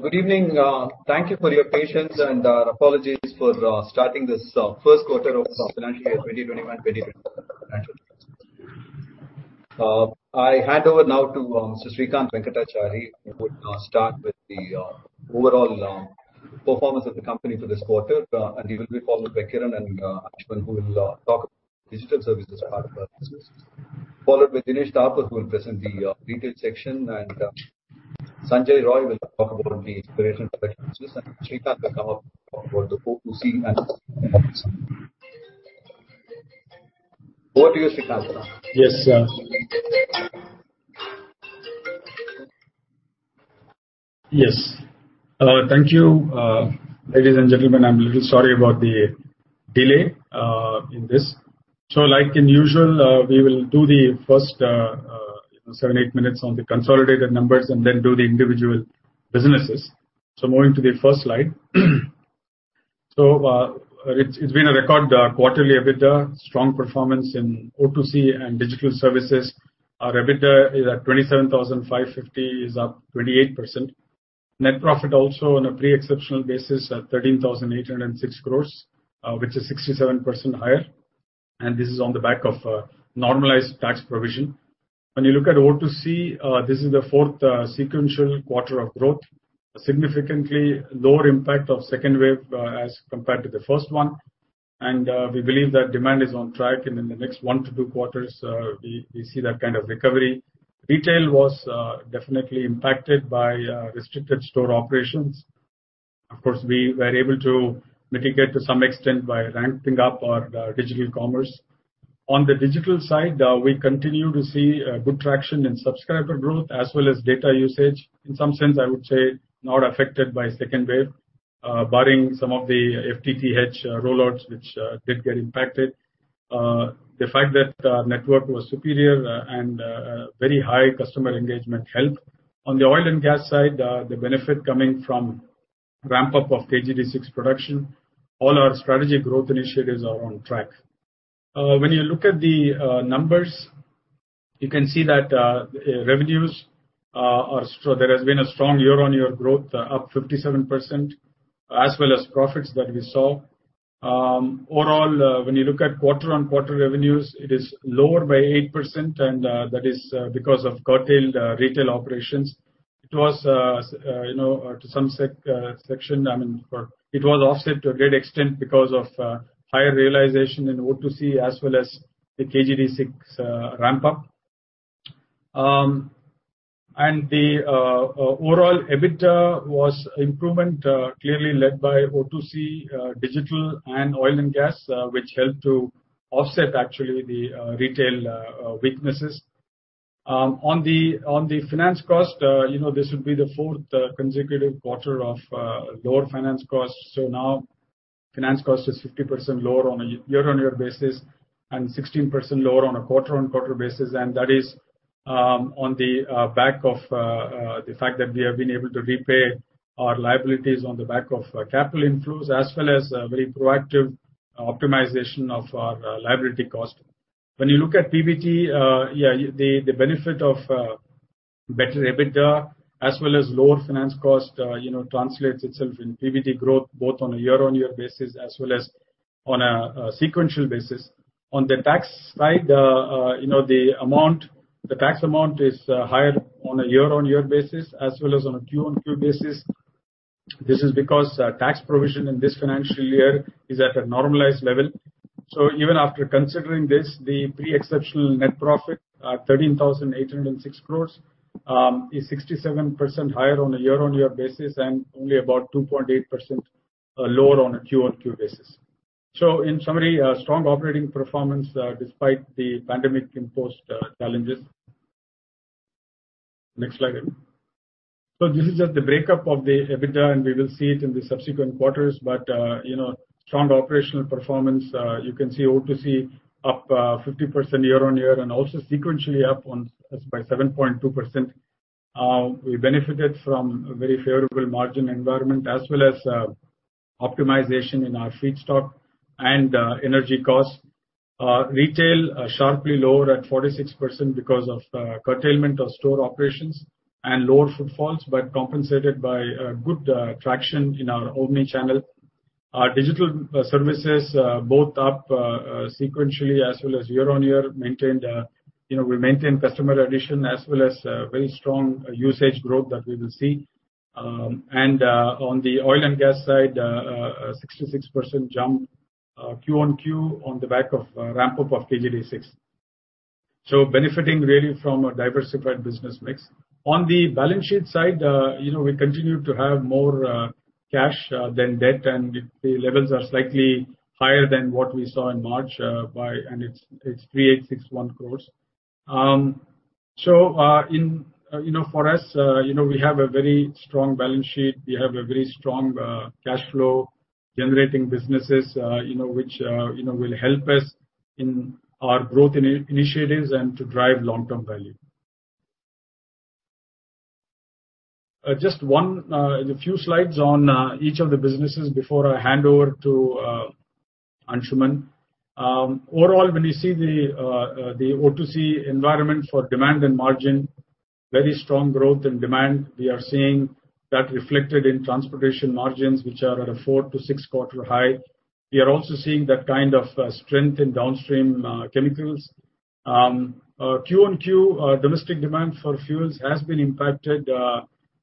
Good evening. Thank you for your patience, apologies for starting this first quarter of financial year 2021/2022. I hand over now to Srikanth Venkatachari, who will start with the overall performance of the company for this quarter. He will be followed by Kiran and Anshuman, who will talk digital services part of our business. Followed by Dinesh Thapar, who will present the retail section, and Sanjay Roy will talk about the exploration production business, and Srikanth Venkatachari will talk about the O2C. Over to you, Srikanth. Yes, sir. Yes. Thank you. Ladies and gentlemen, I'm little sorry about the delay in this. Like in usual, we will do the first seven, eight minutes on the consolidated numbers and then do the individual businesses. Moving to the first slide. It's been a record quarterly EBITDA, strong performance in O2C and digital services. Our EBITDA is at 27,550, is up 28%. Net profit also on a pre-exceptional basis at 13,806 crores, which is 67% higher, and this is on the back of normalized tax provision. When you look at O2C, this is the fourth sequential quarter of growth. A significantly lower impact of second wave as compared to the first one. We believe that demand is on track and in the next one to two quarters, we see that kind of recovery. Retail was definitely impacted by restricted store operations. Of course, we were able to mitigate to some extent by ramping up our digital commerce. On the digital side, we continue to see good traction in subscriber growth as well as data usage. In some sense, I would say, not affected by second wave, barring some of the FTTH rollouts, which did get impacted. The fact that network was superior and very high customer engagement helped. On the oil and gas side, the benefit coming from ramp-up of KG-D6 production. All our strategic growth initiatives are on track. When you look at the numbers, you can see that there has been a strong year-on-year growth, up 57%, as well as profits that we saw. Overall, when you look at quarter-on-quarter revenues, it is lower by 8%, and that is because of curtailed retail operations. It was to some section, it was offset to a great extent because of higher realization in O2C as well as the KG-D6 ramp-up. The overall EBITDA was improvement clearly led by O2C, digital, and oil and gas, which helped to offset actually the retail weaknesses. On the finance cost, this will be the fourth consecutive quarter of lower finance costs. Now finance cost is 50% lower on a year-on-year basis and 16% lower on a quarter-on-quarter basis. That is on the back of the fact that we have been able to repay our liabilities on the back of capital inflows as well as very proactive optimization of our liability cost. When you look at PBT, the benefit of better EBITDA as well as lower finance cost translates itself in PBT growth both on a year-on-year basis as well as on a sequential basis. On the tax side, the tax amount is higher on a year-on-year basis as well as on a Q-on-Q basis. This is because tax provision in this financial year is at a normalized level. Even after considering this, the pre-exceptional net profit at 13,806 crores, is 67% higher on a year-on-year basis and only about 2.8% lower on a Q-on-Q basis. In summary, strong operating performance despite the pandemic-imposed challenges. Next slide. This is just the breakup of the EBITDA, and we will see it in the subsequent quarters. Strong operational performance. You can see O2C up 50% year-on-year and also sequentially up by 7.2%. We benefited from a very favorable margin environment as well as optimization in our feedstock and energy costs. Retail sharply lower at 46% because of curtailment of store operations and lower footfalls, but compensated by good traction in our omnichannel. Our digital services both up sequentially as well as year-on-year. We maintained customer addition as well as very strong usage growth that we will see. On the oil and gas side, a 66% jump Q-on-Q on the back of ramp-up of KG-D6. Benefiting really from a diversified business mix. On the balance sheet side, we continue to have more cash than debt, and the levels are slightly higher than what we saw in March by 361 crores. For us, we have a very strong balance sheet. We have a very strong cash flow generating businesses which will help us in our growth initiatives and to drive long-term value. Just one, a few slides on each of the businesses before I hand over to Anshuman. Overall, when you see the O2C environment for demand and margin, very strong growth in demand. We are seeing that reflected in transportation margins, which are at a four to six-quarter high. We are also seeing that kind of strength in downstream chemicals. Q-on-Q, domestic demand for fuels has been impacted,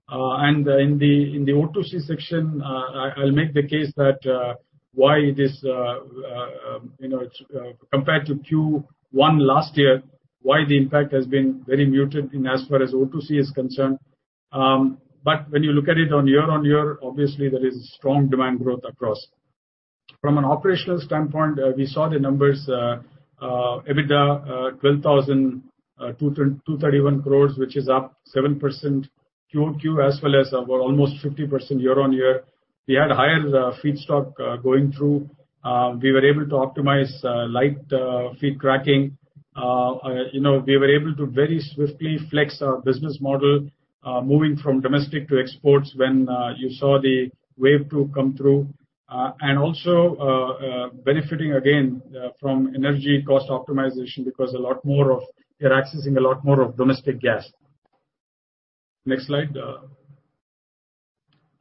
and in the O2C section, I'll make the case that why it is compared to Q1 last year, why the impact has been very muted in as far as O2C is concerned. When you look at it on year-on-year, obviously, there is strong demand growth across. From an operational standpoint, we saw the numbers, EBITDA 12,231 crore, which is up 7% Q-on-Q as well as almost 50% year-on-year. We had higher feedstock going through. We were able to optimize light feed cracking. We were able to very swiftly flex our business model, moving from domestic to exports when you saw the wave two come through. Also benefiting again from energy cost optimization because we're accessing a lot more of domestic gas. Next slide.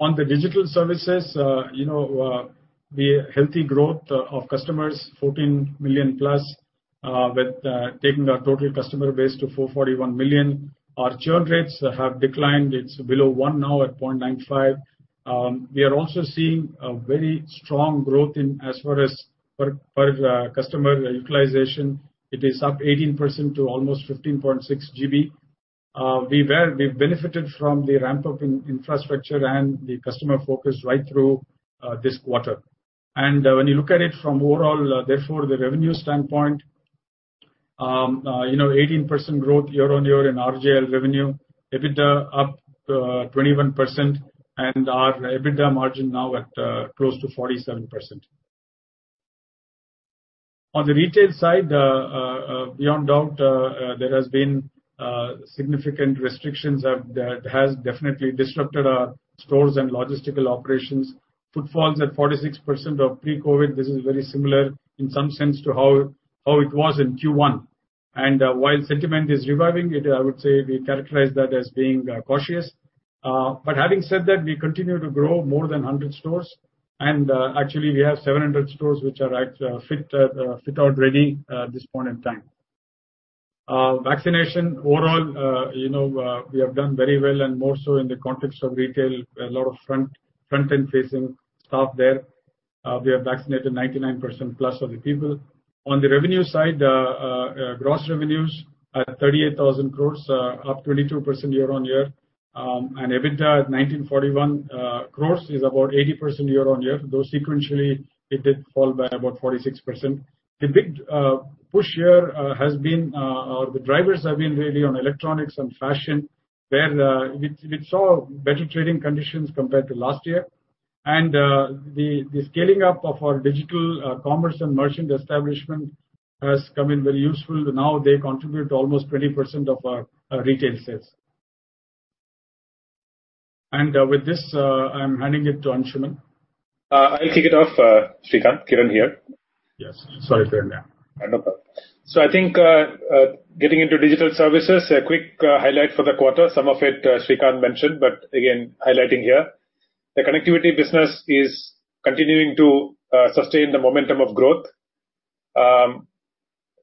On the Digital Services, the healthy growth of customers, 14 million-plus, with taking our total customer base to 441 million. Our churn rates have declined. It's below one now at 0.95. We are also seeing a very strong growth in as far as per customer utilization. It is up 18% to almost 15.6 GB. We've benefited from the ramp-up in infrastructure and the customer focus right through this quarter. When you look at it from overall, therefore, the revenue standpoint, 18% growth year-on-year in RJIL revenue. EBITDA up 21% our EBITDA margin now at close to 47%. On the retail side, beyond doubt, there has been significant restrictions that has definitely disrupted our stores and logistical operations. Footfalls at 46% of pre-COVID. This is very similar in some sense to how it was in Q1. While sentiment is reviving, I would say we characterize that as being cautious. Having said that, we continue to grow more than 100 stores. Actually, we have 700 stores which are at fit-out ready at this point in time. Vaccination overall, we have done very well and more so in the context of retail, a lot of front-end facing staff there. We have vaccinated 99%+ of the people. On the revenue side, gross revenues at 38,000 crore, up 22% year-on-year. EBITDA at 1,941 crore is about 80% year-on-year, though sequentially it did fall by about 46%. The big push here has been, or the drivers have been really on electronics and fashion, where we saw better trading conditions compared to last year. The scaling up of our digital commerce and merchant establishment has come in very useful. Now they contribute almost 20% of our retail sales. With this, I'm handing it to Anshuman. I'll kick it off, Srikanth. Kiran here. Yes. Sorry for that. No problem. I think getting into digital services, a quick highlight for the quarter, some of it Srikanth mentioned, but again, highlighting here. The connectivity business is continuing to sustain the momentum of growth.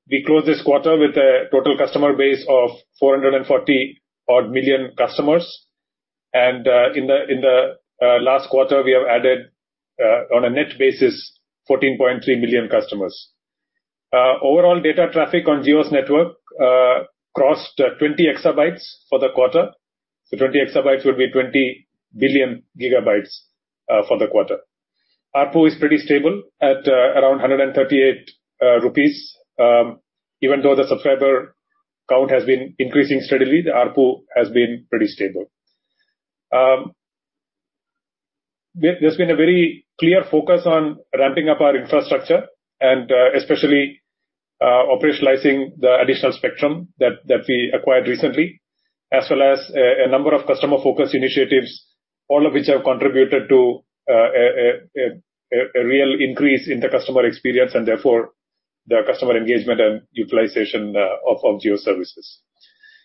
We close this quarter with a total customer base of 440 odd million customers, and in the last quarter, we have added, on a net basis, 14.3 million customers. Overall data traffic on Jio's network crossed 20 exabytes for the quarter. 20 exabytes would be 20 billion gigabytes for the quarter. ARPU is pretty stable at around 138 rupees. Even though the subscriber count has been increasing steadily, the ARPU has been pretty stable. There's been a very clear focus on ramping up our infrastructure and especially operationalizing the additional spectrum that we acquired recently, as well as a number of customer-focused initiatives, all of which have contributed to a real increase in the customer experience and therefore the customer engagement and utilization of Jio services.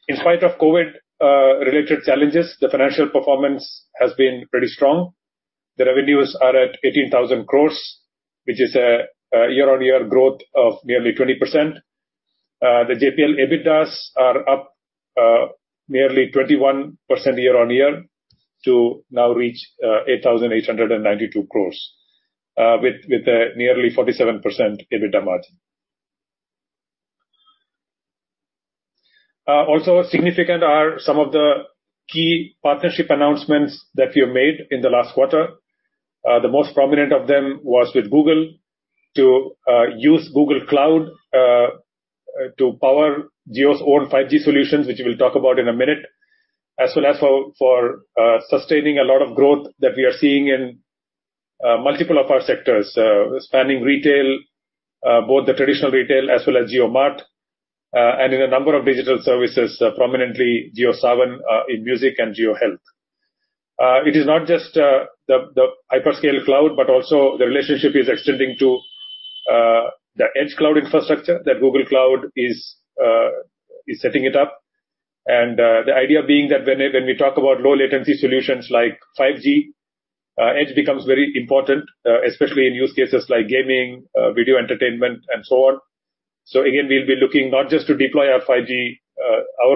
In spite of COVID-related challenges, the financial performance has been pretty strong. The revenues are at 18,000 crores, which is a year-on-year growth of nearly 20%. The JPL EBITDA are up nearly 21% year-on-year to now reach 8,892 crores, with a nearly 47% EBITDA margin. Also significant are some of the key partnership announcements that we have made in the last quarter. The most prominent of them was with Google to use Google Cloud to power Jio's own 5G solutions, which we'll talk about in a minute, as well as for sustaining a lot of growth that we are seeing in multiple of our sectors, spanning retail, both the traditional retail as well as JioMart, and in a number of digital services, prominently JioSaavn in music and JioHealth. It is not just the hyperscale cloud, but also the relationship is extending to the edge cloud infrastructure that Google Cloud is setting it up and the idea being that when we talk about low latency solutions like 5G, edge becomes very important, especially in use cases like gaming, video entertainment, and so on. Again, we'll be looking not just to deploy our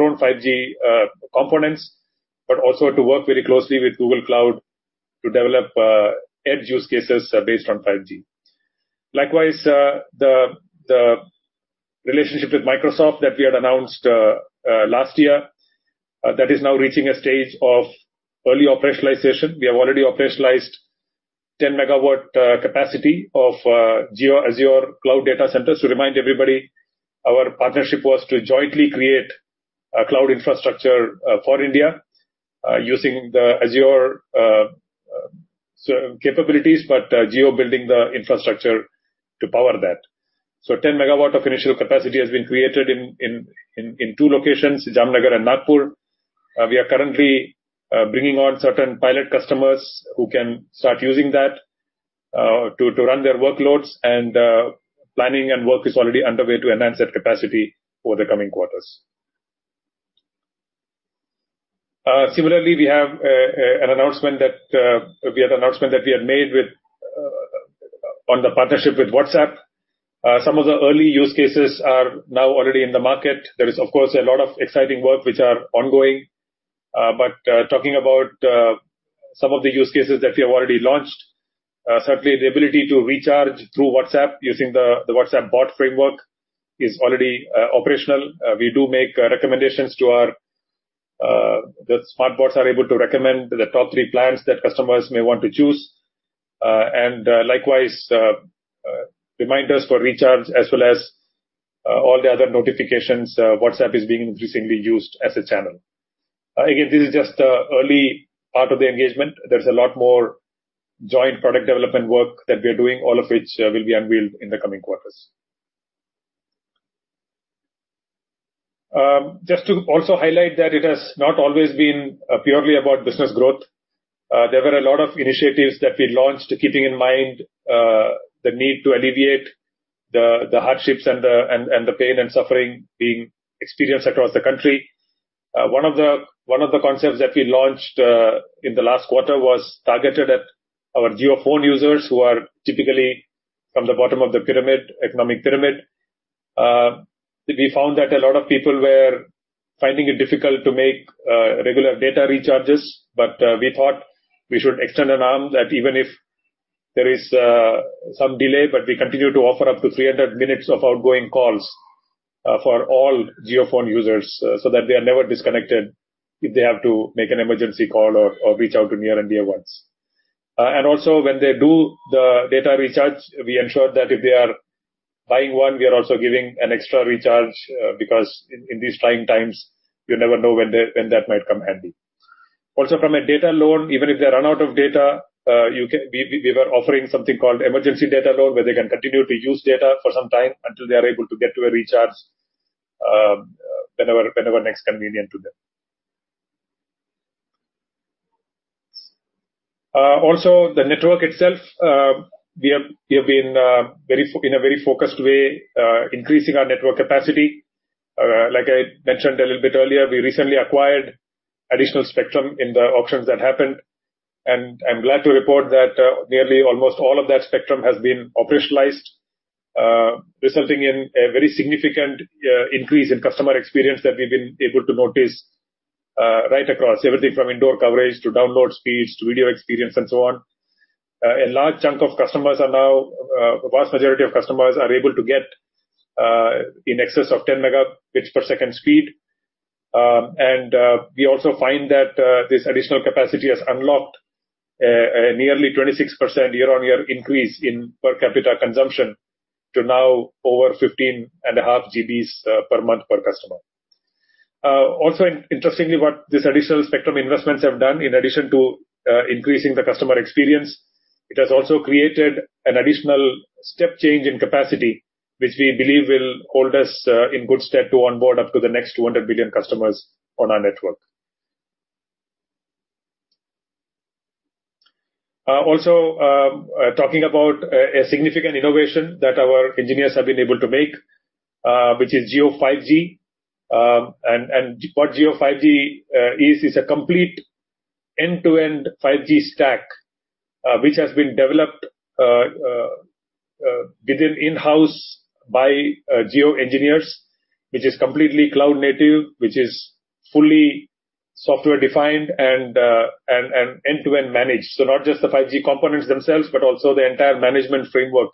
own 5G components, but also to work very closely with Google Cloud to develop edge use cases based on 5G. Likewise, the relationship with Microsoft that we had announced last year, that is now reaching a stage of early operationalization. We have already operationalized 10 MW capacity of Azure cloud data centers. To remind everybody, our partnership was to jointly create a cloud infrastructure for India using the Azure capabilities, but Jio building the infrastructure to power that. 10 MW of initial capacity has been created in two locations, Jamnagar and Nagpur. We are currently bringing on certain pilot customers who can start using that to run their workloads, and planning and work is already underway to enhance that capacity over the coming quarters. Similarly, we have an announcement that we had made on the partnership with WhatsApp. Some of the early use cases are now already in the market. There is, of course, a lot of exciting work which are ongoing. Talking about some of the use cases that we have already launched. Certainly, the ability to recharge through WhatsApp using the WhatsApp bot framework is already operational. The smart bots are able to recommend the top three plans that customers may want to choose, and likewise, reminders for recharge as well as all the other notifications. WhatsApp is being increasingly used as a channel. This is just early part of the engagement. There's a lot more joint product development work that we are doing, all of which will be unveiled in the coming quarters. To also highlight that it has not always been purely about business growth. There were a lot of initiatives that we launched, keeping in mind the need to alleviate the hardships and the pain and suffering being experienced across the country. One of the concepts that we launched in the last quarter was targeted at our JioPhone users, who are typically from the bottom of the economic pyramid. We thought we should extend an arm that even if there is some delay, but we continue to offer up to 300 minutes of outgoing calls for all JioPhone users so that they are never disconnected if they have to make an emergency call or reach out to near and dear ones. When they do the data recharge, we ensure that if they are buying one, we are also giving an extra recharge, because in these trying times, you never know when that might come handy. From a data loan, even if they run out of data, we were offering something called emergency data loan, where they can continue to use data for some time until they are able to get to a recharge whenever next convenient to them. The network itself, we have been in a very focused way increasing our network capacity. Like I mentioned a little bit earlier, we recently acquired additional spectrum in the auctions that happened, and I'm glad to report that nearly almost all of that spectrum has been operationalized, resulting in a very significant increase in customer experience that we've been able to notice right across everything from indoor coverage to download speeds to video experience and so on. A vast majority of customers are able to get in excess of 10 Mbs per second speed. We also find that this additional capacity has unlocked a nearly 26% year-on-year increase in per capita consumption to now over 15.5 GBs per month per customer. Interestingly, what this additional spectrum investments have done in addition to increasing the customer experience, it has also created an additional step change in capacity, which we believe will hold us in good stead to onboard up to the next 200 billion customers on our network. Talking about a significant innovation that our engineers have been able to make, which is Jio 5G. What Jio 5G is a complete end-to-end 5G stack, which has been developed within in-house by Jio engineers, which is completely cloud native, which is fully software-defined and end-to-end managed. Not just the 5G components themselves, but also the entire management framework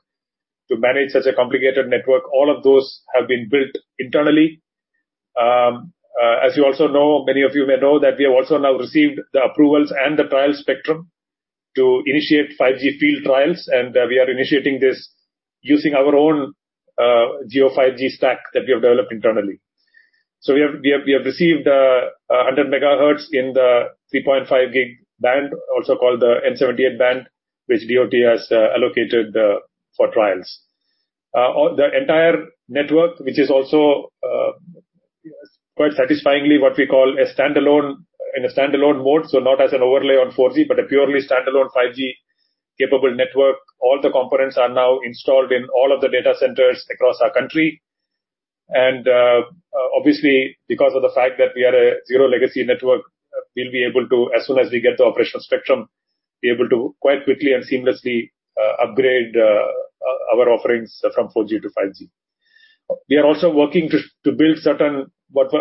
to manage such a complicated network. All of those have been built internally. As you also know, many of you may know that we have also now received the approvals and the trial spectrum to initiate 5G field trials, and we are initiating this using our own Jio 5G stack that we have developed internally. We have received 100 MHz in the 3.5 GHz band, also called the N78 band, which DoT has allocated for trials. The entire network, which is also quite satisfyingly what we call in a standalone mode, so not as an overlay on 4G, but a purely standalone 5G capable network. All the components are now installed in all of the data centers across our country. Obviously, because of the fact that we are a zero legacy network, we'll be able to, as soon as we get the operational spectrum, be able to quite quickly and seamlessly upgrade our offerings from 4G to 5G. We are also working to build certain, what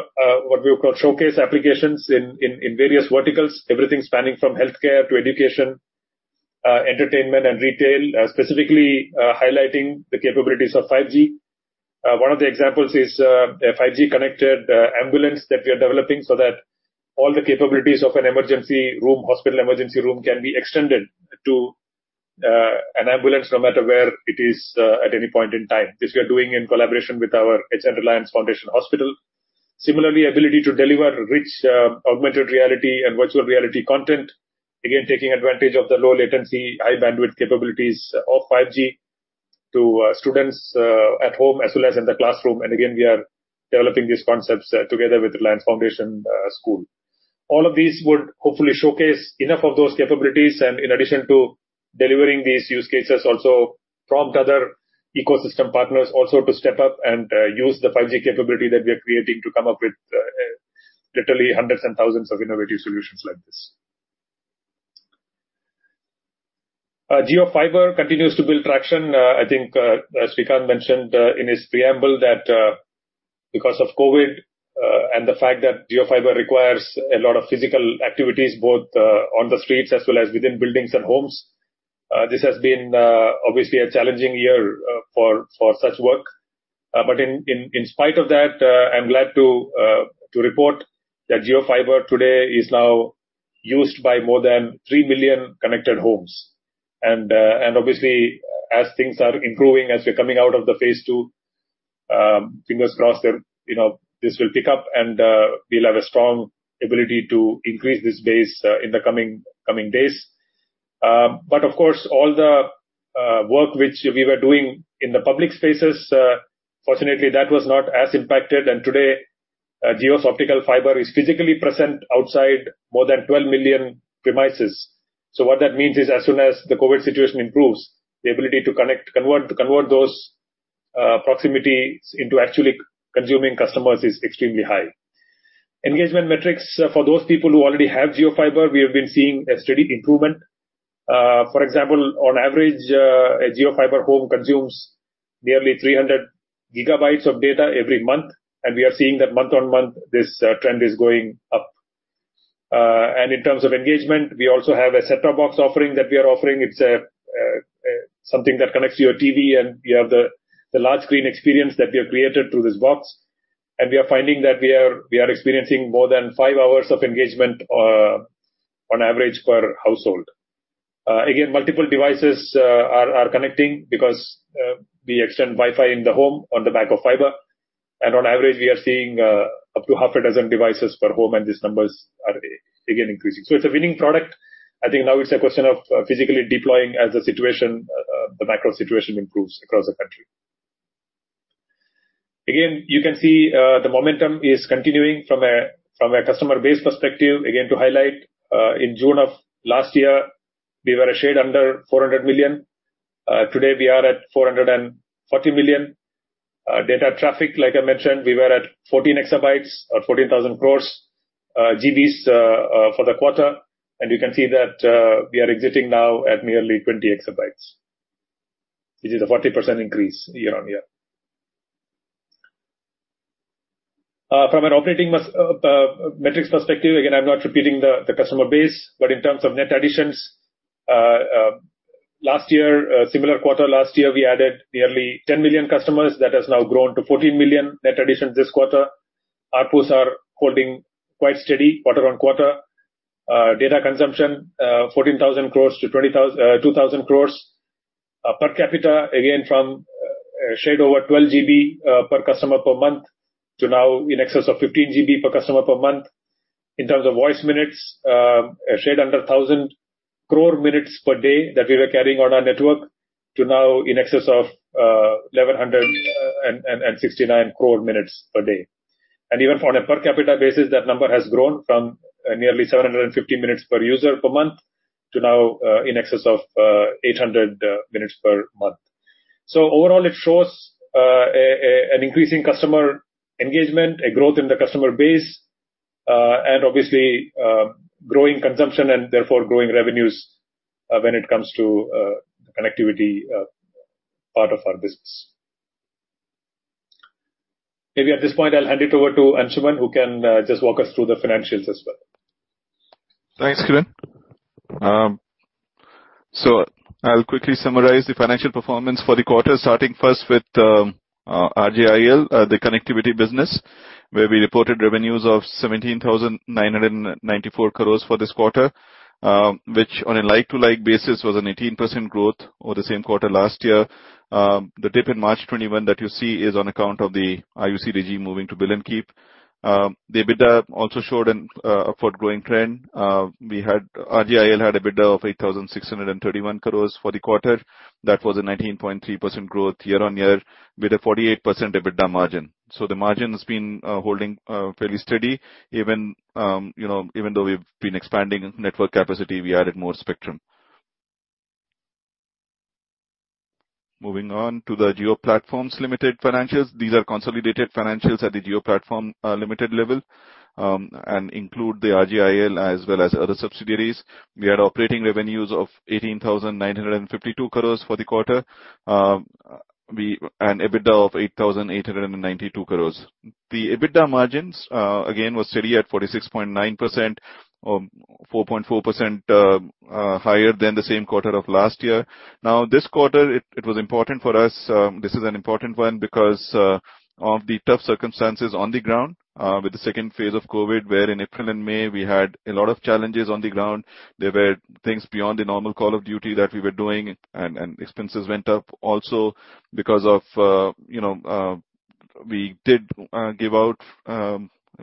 we would call showcase applications in various verticals, everything spanning from healthcare to education, entertainment, and retail, specifically highlighting the capabilities of 5G. One of the examples is a 5G-connected ambulance that we are developing so that all the capabilities of a hospital emergency room can be extended to an ambulance, no matter where it is at any point in time. This we are doing in collaboration with our Sir H. N. Reliance Foundation Hospital. Similarly, ability to deliver rich augmented reality and virtual reality content. Taking advantage of the low latency, high bandwidth capabilities of 5G to students at home as well as in the classroom. Again, we are developing these concepts together with Reliance Foundation School. All of these would hopefully showcase enough of those capabilities and in addition to delivering these use cases, also prompt other ecosystem partners also to step up and use the 5G capability that we are creating to come up with literally hundreds and thousands of innovative solutions like this. JioFiber continues to build traction. I think, as we kind of mentioned in his preamble that because of COVID and the fact that JioFiber requires a lot of physical activities, both on the streets as well as within buildings and homes, this has been, obviously a challenging year for such work. In spite of that, I'm glad to report that JioFiber today is now used by more than 3 million connected homes. Obviously, as things are improving, as we're coming out of the phase two, fingers crossed this will pick up and we'll have a strong ability to increase this base in the coming days. Of course, all the work which we were doing in the public spaces, fortunately, that was not as impacted. Today, Jio's optical fiber is physically present outside more than 12 million premises. What that means is as soon as the COVID situation improves, the ability to convert those proximities into actually consuming customers is extremely high. Engagement metrics for those people who already have JioFiber, we have been seeing a steady improvement. For example, on average, a JioFiber home consumes nearly 300 GB of data every month, we are seeing that month-on-month, this trend is going up. In terms of engagement, we also have a set-top box offering that we are offering. It's something that connects to your TV, we have the large screen experience that we have created through this box, we are finding that we are experiencing more than five hours of engagement on average per household. Again, multiple devices are connecting because we extend Wi-Fi in the home on the back of Fiber. On average, we are seeing up to a half dozen devices per home, these numbers are again increasing. It's a winning product. I think now it's a question of physically deploying as the macro situation improves across the country. You can see the momentum is continuing from a customer base perspective. To highlight, in June of last year, we were a shade under 400 million. Today we are at 440 million. Data traffic, like I mentioned, we were at 14 EB or 14,000 crore GBs for the quarter, you can see that we are exiting now at nearly 20 EB, which is a 40% increase year-on-year. From an operating metrics perspective, I'm not repeating the customer base, in terms of net additions, similar quarter last year, we added nearly 10 million customers. That has now grown to 14 million net additions this quarter. ARPUs are holding quite steady quarter-on-quarter. Data consumption, 14,000 crore to 2,000 crore. Per capita, from a shade over 12 GB per customer per month to now in excess of 15 GB per customer per month. In terms of voice minutes, a shade under 1,000 crore minutes per day that we were carrying on our network to now in excess of 1,169 crore minutes per day. Even on a per capita basis, that number has grown from nearly 750 minutes per user per month to now in excess of 800 minutes per month. Overall, it shows an increasing customer engagement, a growth in the customer base, and obviously, growing consumption and therefore growing revenues when it comes to connectivity part of our business. Maybe at this point I'll hand it over to Anshuman, who can just walk us through the financials as well. Thanks, Kiran. I'll quickly summarize the financial performance for the quarter, starting first with RJIL, the connectivity business, where we reported revenues of 17,994 crore for this quarter, which on a like-to-like basis was an 18% growth over the same quarter last year. The dip in March 2021 that you see is on account of the IUC regime moving to bill and keep. The EBITDA also showed an upward growing trend. RJIL had EBITDA of 8,631 crore for the quarter. That was a 19.3% growth year-on-year, with a 48% EBITDA margin. The margin has been holding fairly steady even though we've been expanding network capacity, we added more spectrum. Moving on to the Jio Platforms Limited financials. These are consolidated financials at the Jio Platforms Limited level, include the RJIL as well as other subsidiaries. We had operating revenues of 18,952 crores for the quarter and EBITDA of 8,892 crores. The EBITDA margins again were steady at 46.9%, or 4.4% higher than the same quarter of last year. This quarter, it was important for us. This is an important one because of the tough circumstances on the ground with the second phase of COVID, where in April and May we had a lot of challenges on the ground. There were things beyond the normal call of duty that we were doing, and expenses went up also because we did give out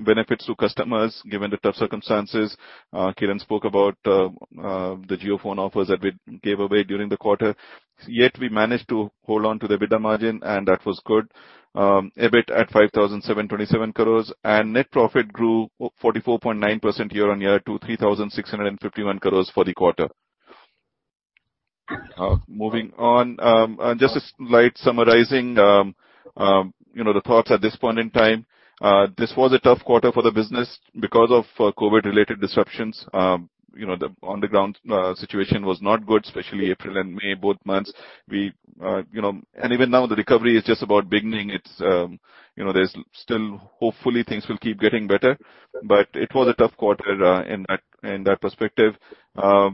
benefits to customers, given the tough circumstances. Kiran spoke about the JioPhone offers that we gave away during the quarter. Yet we managed to hold on to the EBITDA margin, and that was good. EBIT at 5,727 crores and net profit grew 44.9% year-on-year to 3,651 crores for the quarter. Moving on. Just a slide summarizing the thoughts at this point in time. This was a tough quarter for the business because of COVID-related disruptions. The on-the-ground situation was not good, especially April and May, both months. Even now, the recovery is just about beginning. Hopefully things will keep getting better. It was a tough quarter in that perspective. From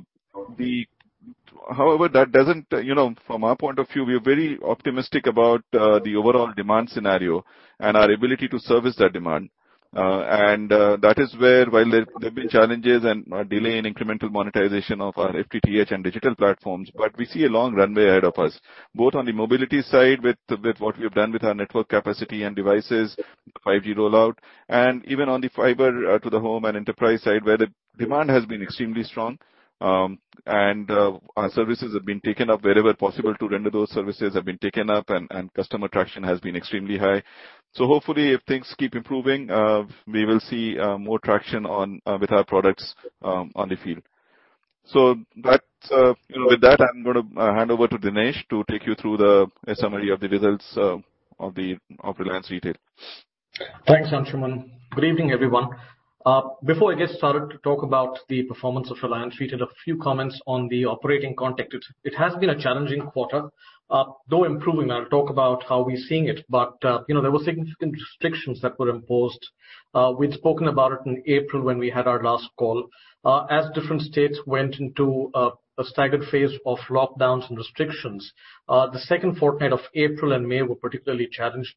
our point of view, we are very optimistic about the overall demand scenario and our ability to service that demand. That is where, while there have been challenges and a delay in incremental monetization of our FTTH and digital platforms, but we see a long runway ahead of us, both on the mobility side with what we have done with our network capacity and devices, 5G rollout, and even on the fiber to the home and enterprise side, where the demand has been extremely strong. Our services have been taken up wherever possible to render those services, and customer traction has been extremely high. Hopefully, if things keep improving, we will see more traction with our products on the field. With that, I am going to hand over to Dinesh to take you through the summary of the results of Reliance Retail. Thanks, Anshuman. Good evening, everyone. Before I get started to talk about the performance of Reliance Retail, a few comments on the operating context. It has been a challenging quarter, though improving. I'll talk about how we're seeing it. There were significant restrictions that were imposed. We'd spoken about it in April when we had our last call. As different states went into a staggered phase of lockdowns and restrictions, the second fortnight of April and May were particularly challenged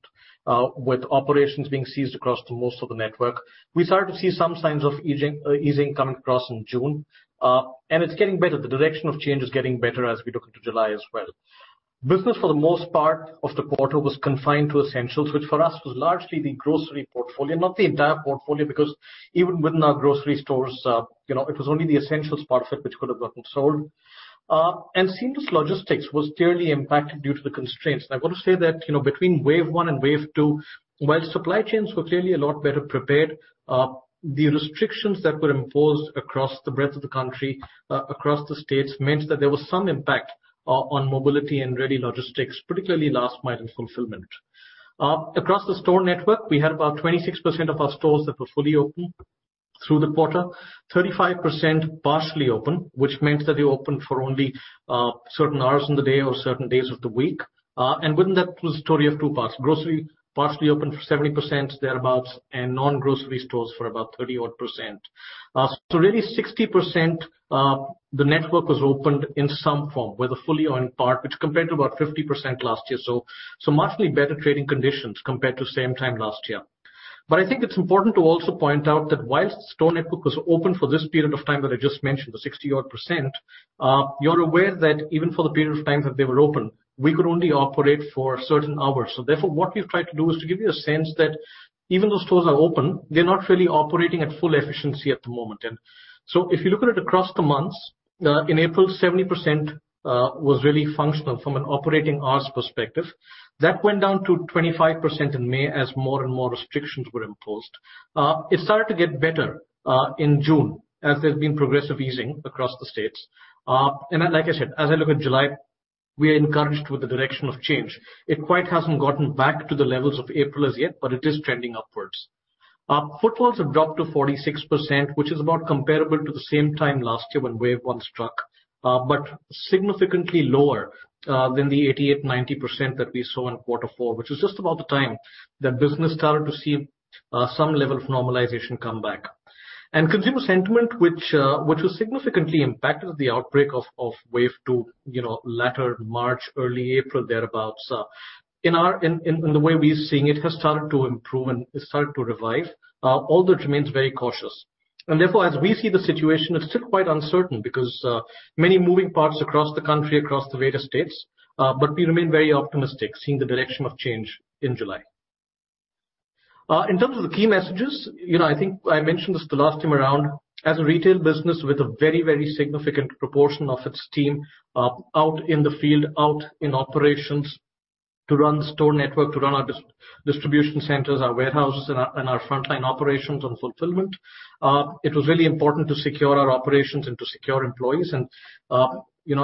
with operations being ceased across to most of the network. We started to see some signs of easing coming across in June, and it's getting better. The direction of change is getting better as we look into July as well. Business for the most part of the quarter was confined to essentials, which for us was largely the grocery portfolio. Not the entire portfolio, because even within our grocery stores, it was only the essentials part of it which could have gotten sold. Seamless logistics was clearly impacted due to the constraints. I want to say that, between wave one and wave two, while supply chains were clearly a lot better prepared, the restrictions that were imposed across the breadth of the country, across the states, meant that there was some impact on mobility and really logistics, particularly last mile and fulfillment. Across the store network, we had about 26% of our stores that were fully open through the quarter, 35% partially open, which meant that they opened for only certain hours in the day or certain days of the week. Within that was a story of two parts. Grocery partially open for 70% thereabout, and non-grocery stores for about 30-odd-%. Really 60% the network was opened in some form, whether fully or in part, which compared to about 50% last year. Much better trading conditions compared to same time last year. I think it's important to also point out that whilst store network was open for this period of time that I just mentioned, the 60-odd-%, you're aware that even for the period of time that they were open, we could only operate for certain hours. Therefore, what we've tried to do is to give you a sense that even those stores are open, they're not really operating at full efficiency at the moment. If you look at it across the months, in April, 70% was really functional from an operating hours perspective. That went down to 25% in May as more and more restrictions were imposed. It started to get better in June as there's been progressive easing across the states. Like I said, as I look at July, we are encouraged with the direction of change. It quite hasn't gotten back to the levels of April as yet, but it is trending upwards. Footfalls have dropped to 46%, which is about comparable to the same time last year when wave one struck, but significantly lower than the 88%, 90% that we saw in quarter four, which was just about the time that business started to see some level of normalization come back. Consumer sentiment, which was significantly impacted with the outbreak of wave two latter March, early April thereabout. In the way we're seeing it, has started to improve and has started to revive, although it remains very cautious. Therefore, as we see the situation, it's still quite uncertain because many moving parts across the country, across the various states. We remain very optimistic seeing the direction of change in July. In terms of the key messages, I think I mentioned this the last time around. As a retail business with a very, very significant proportion of its team out in the field, out in operations to run the store network, to run our distribution centers, our warehouses, and our frontline operations on fulfillment, it was really important to secure our operations and to secure employees.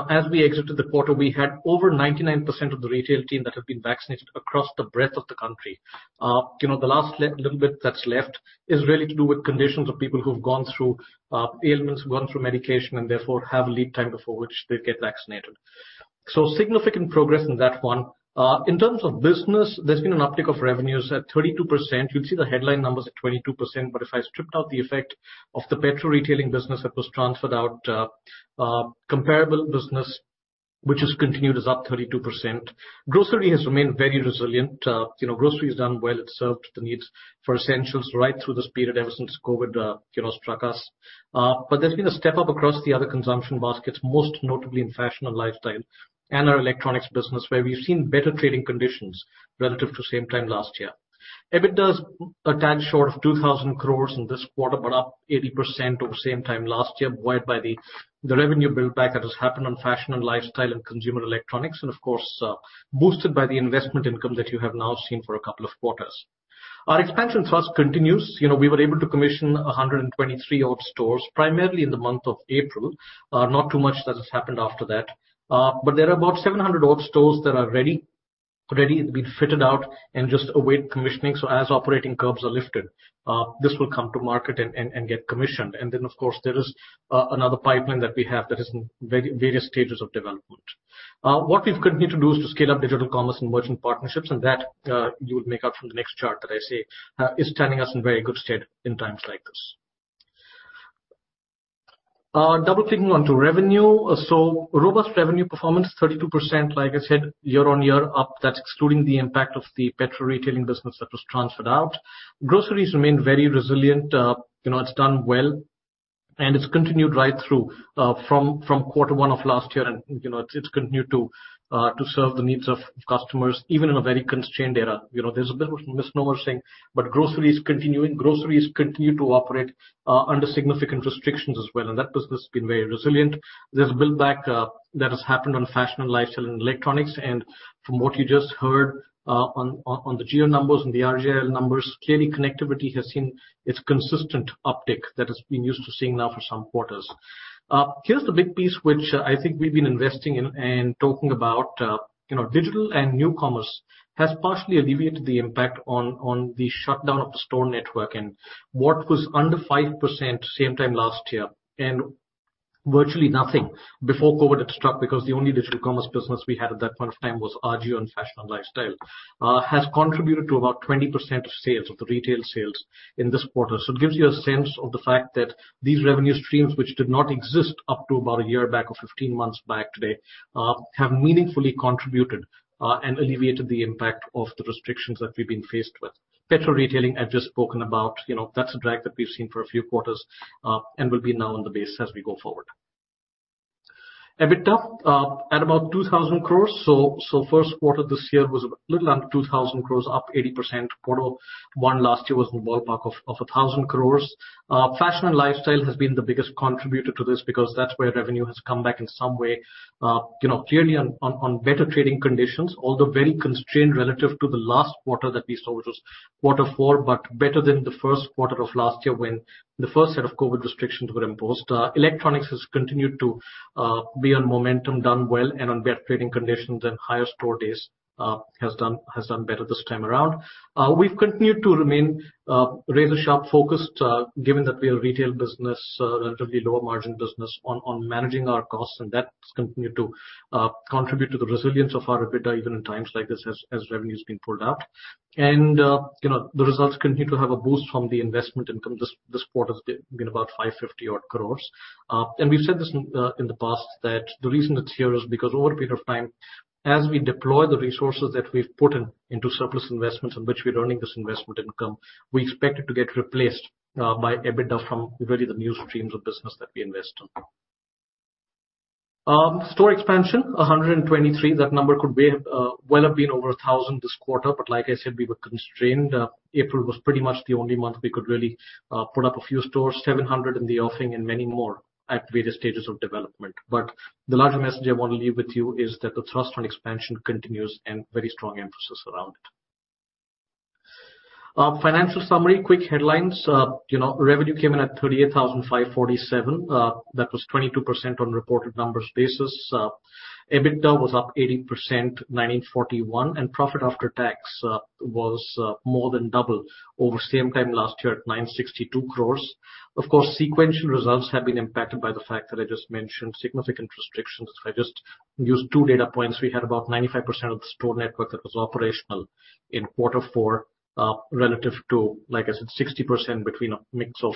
As we exited the quarter, we had over 99% of the retail team that have been vaccinated across the breadth of the country. The last little bit that's left is really to do with conditions of people who've gone through ailments, gone through medication, and therefore have a lead time before which they'll get vaccinated. Significant progress in that one. In terms of business, there's been an uptick of revenues at 32%. You'll see the headline number's at 22%. If I stripped out the effect of the petrol retailing business that was transferred out, comparable business, which has continued, is up 32%. Grocery has remained very resilient. Grocery's done well. It served the needs for essentials right through this period ever since COVID struck us. There's been a step up across the other consumption baskets, most notably in fashion and lifestyle and our electronics business, where we've seen better trading conditions relative to same time last year. EBITDA a tad short of 2,000 crore in this quarter, but up 80% over same time last year, buoyed by the revenue build back that has happened on fashion and lifestyle and consumer electronics. Of course, boosted by the investment income that you have now seen for a couple of quarters. Our expansion thrust continues. We were able to commission 123 odd stores, primarily in the month of April. Not too much that has happened after that. There are about 700 odd stores that are ready to be fitted out and just await commissioning. As operating curbs are lifted, this will come to market and get commissioned. Of course, there is another pipeline that we have that is in various stages of development. What we've continued to do is to scale up digital commerce and merchant partnerships, and that you would make out from the next chart that I say is standing us in very good stead in times like this. Double-clicking onto revenue. Robust revenue performance, 32%, like I said, year-over-year up. That's excluding the impact of the petrol retailing business that was transferred out. Groceries remain very resilient. It's done well, and it's continued right through from quarter one of last year, and it's continued to serve the needs of customers, even in a very constrained era. There's a bit of a misnomer saying, but groceries continue to operate under significant restrictions as well, and that business has been very resilient. There's a build back that has happened on fashion and lifestyle and electronics. From what you just heard on the Jio numbers and the RJIL numbers, clearly connectivity has seen its consistent uptick that has been used to seeing now for some quarters. Here's the big piece which I think we've been investing in and talking about. Digital and new commerce has partially alleviated the impact on the shutdown of the store network. What was under 5% same time last year, and virtually nothing before COVID had struck, because the only digital commerce business we had at that point of time was AJIO and fashion and lifestyle, has contributed to about 20% of sales, of the retail sales in this quarter. It gives you a sense of the fact that these revenue streams, which did not exist up to about one year back or 15 months back today, have meaningfully contributed and alleviated the impact of the restrictions that we've been faced with. Petrol retailing, I've just spoken about. That's a drag that we've seen for a few quarters, and will be now on the base as we go forward. EBITDA at about 2,000 crore. First quarter this year was a little under 2,000 crore, up 80%. Quarter one last year was in the ballpark of 1,000 crore. Fashion and lifestyle has been the biggest contributor to this because that's where revenue has come back in some way. Clearly on better trading conditions, although very constrained relative to the last quarter that we saw, which was quarter four, but better than the first quarter of last year when the first set of COVID restrictions were imposed. Electronics has continued to be on momentum, done well, and on better trading conditions and higher store days, has done better this time around. We've continued to remain razor-sharp focused, given that we're a retail business, relatively lower margin business on managing our costs, and that's continued to contribute to the resilience of our EBITDA, even in times like this, as revenue's been pulled out. The results continue to have a boost from the investment income. This quarter's been about 550 odd crores. We've said this in the past that the reason it's here is because over a period of time, as we deploy the resources that we've put into surplus investments in which we're earning this investment income, we expect it to get replaced by EBITDA from really the new streams of business that we invest in. Store expansion, 123. That number could well have been over 1,000 this quarter, but like I said, we were constrained. April was pretty much the only month we could really put up a few stores, 700 in the offing and many more at various stages of development. The larger message I want to leave with you is that the thrust on expansion continues and very strong emphasis around it. Financial summary, quick headlines. Revenue came in at 38,547. That was 22% on reported numbers basis. EBITDA was up 18%, 1,941 crores, profit after tax was more than double over same time last year at 962 crores. Of course, sequential results have been impacted by the fact that I just mentioned significant restrictions. If I just use two data points, we had about 95% of the store network that was operational in quarter four, relative to, like I said, 60% between a mix of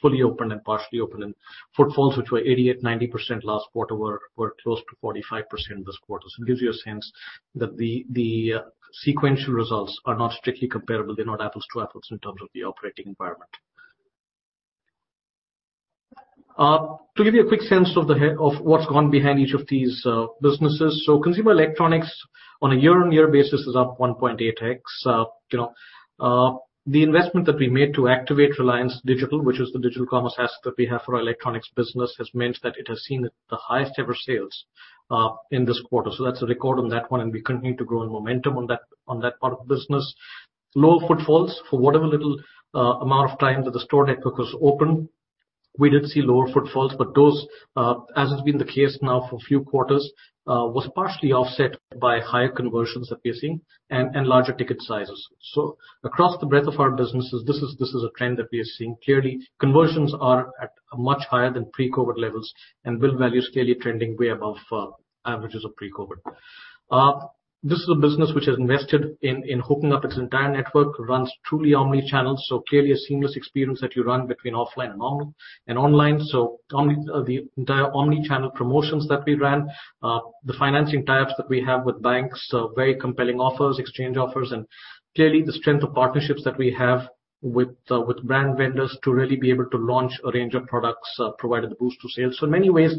fully open and partially open. Footfalls, which were 88%-90% last quarter, were close to 45% this quarter. It gives you a sense that the sequential results are not strictly comparable. They're not apples to apples in terms of the operating environment. To give you a quick sense of what's gone behind each of these businesses. Consumer Electronics on a year-on-year basis is up 1.8x. The investment that we made to activate Reliance Digital, which is the digital commerce asset that we have for our electronics business, has meant that it has seen the highest ever sales in this quarter. That's a record on that one, and we continue to grow in momentum on that part of the business. Low footfalls for whatever little amount of time that the store network was open. We did see lower footfalls. Those, as has been the case now for a few quarters, was partially offset by higher conversions that we are seeing and larger ticket sizes. Across the breadth of our businesses, this is a trend that we are seeing clearly. Conversions are at a much higher than pre-COVID levels and build values clearly trending way above averages of pre-COVID. This is a business which has invested in hooking up its entire network, runs truly omni-channel, so clearly a seamless experience that you run between offline and online. The entire omni-channel promotions that we ran, the financing ties that we have with banks are very compelling offers, exchange offers, and clearly the strength of partnerships that we have with brand vendors to really be able to launch a range of products provided a boost to sales. In many ways,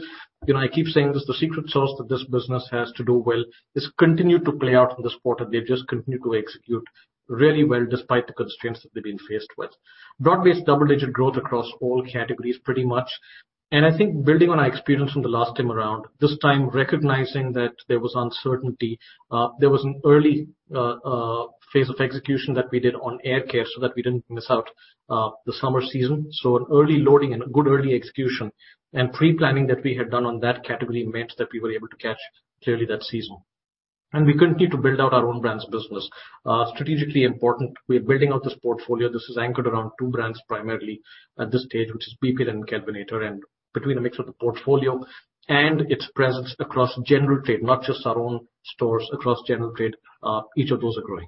I keep saying this, the secret sauce that this business has to do well is continue to play out for this quarter. They've just continued to execute really well despite the constraints that they've been faced with. Broad-based double-digit growth across all categories pretty much. I think building on our experience from the last time around, this time recognizing that there was uncertainty, there was an early phase of execution that we did on air care so that we didn't miss out the summer season. An early loading and a good early execution and pre-planning that we had done on that category meant that we were able to catch clearly that season. We continue to build out our own brands business. Strategically important, we are building out this portfolio. This is anchored around two brands, primarily at this stage, which is bp and Kelvinator. Between a mix of the portfolio and its presence across general trade, not just our own stores, across general trade, each of those are growing.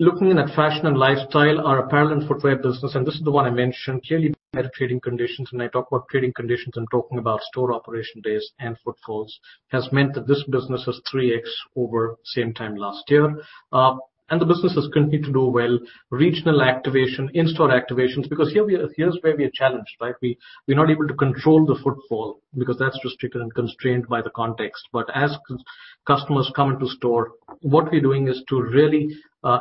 Looking at Fashion & Lifestyle, our apparel and footwear business, and this is the one I mentioned. Clearly, better trading conditions, and I talk about trading conditions, I'm talking about store operation days and footfalls, has meant that this business is 3x over same time last year. The business has continued to do well. Regional activation, in-store activations, because here's where we are challenged, right? We're not able to control the footfall because that's restricted and constrained by the context. As customers come into store, what we're doing is to really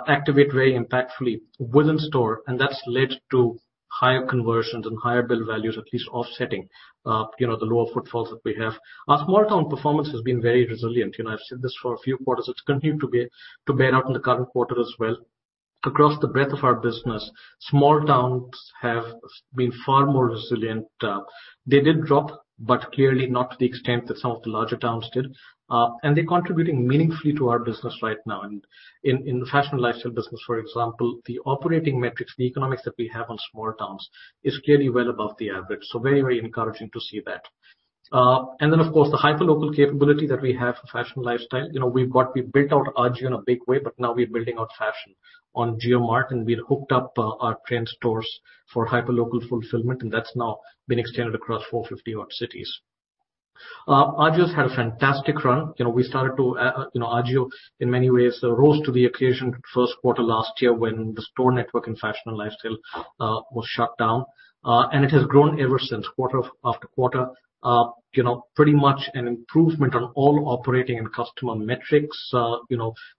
activate very impactfully within store, and that's led to higher conversions and higher bill values, at least offsetting the lower footfalls that we have. Our small town performance has been very resilient, and I've said this for a few quarters. It's continued to bear out in the current quarter as well. Across the breadth of our business, small towns have been far more resilient. They did drop, but clearly not to the extent that some of the larger towns did. They're contributing meaningfully to our business right now. In the fashion & lifestyle business, for example, the operating metrics, the economics that we have on small towns is clearly well above the average. Very encouraging to see that. Of course, the hyper local capability that we have for fashion & lifestyle. We've built out AJIO in a big way, but now we're building out fashion on JioMart, and we've hooked up our trend stores for hyper local fulfillment, and that's now been extended across 450 odd cities. AJIO's had a fantastic run. AJIO, in many ways, rose to the occasion first quarter last year when the store network in fashion & lifestyle was shut down. It has grown ever since, quarter after quarter. Pretty much an improvement on all operating and customer metrics.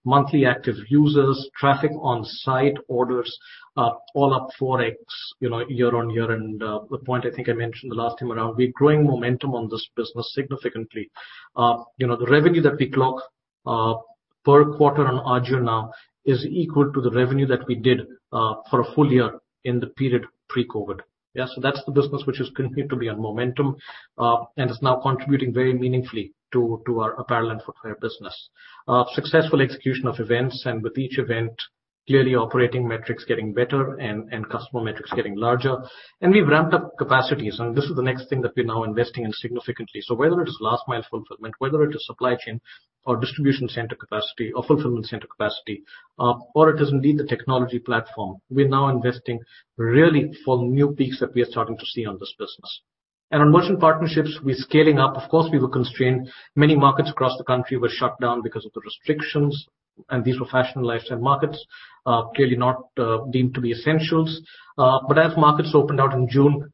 Monthly active users, traffic on site, orders, all up 4x year-over-year. The point I think I mentioned the last time around, we're growing momentum on this business significantly. The revenue that we clock per quarter on AJIO now is equal to the revenue that we did for a full year in the period pre-COVID. That's the business which has continued to be on momentum, and is now contributing very meaningfully to our apparel and footwear business. Successful execution of events, and with each event, clearly operating metrics getting better and customer metrics getting larger. We've ramped up capacities, and this is the next thing that we're now investing in significantly. Whether it is last mile fulfillment, whether it is supply chain or distribution center capacity or fulfillment center capacity, or it is indeed the technology platform, we're now investing really for new peaks that we are starting to see on this business. On merchant partnerships, we're scaling up. Of course, we were constrained. Many markets across the country were shut down because of the restrictions, and these were Fashion & Lifestyle markets, clearly not deemed to be essentials. As markets opened out in June,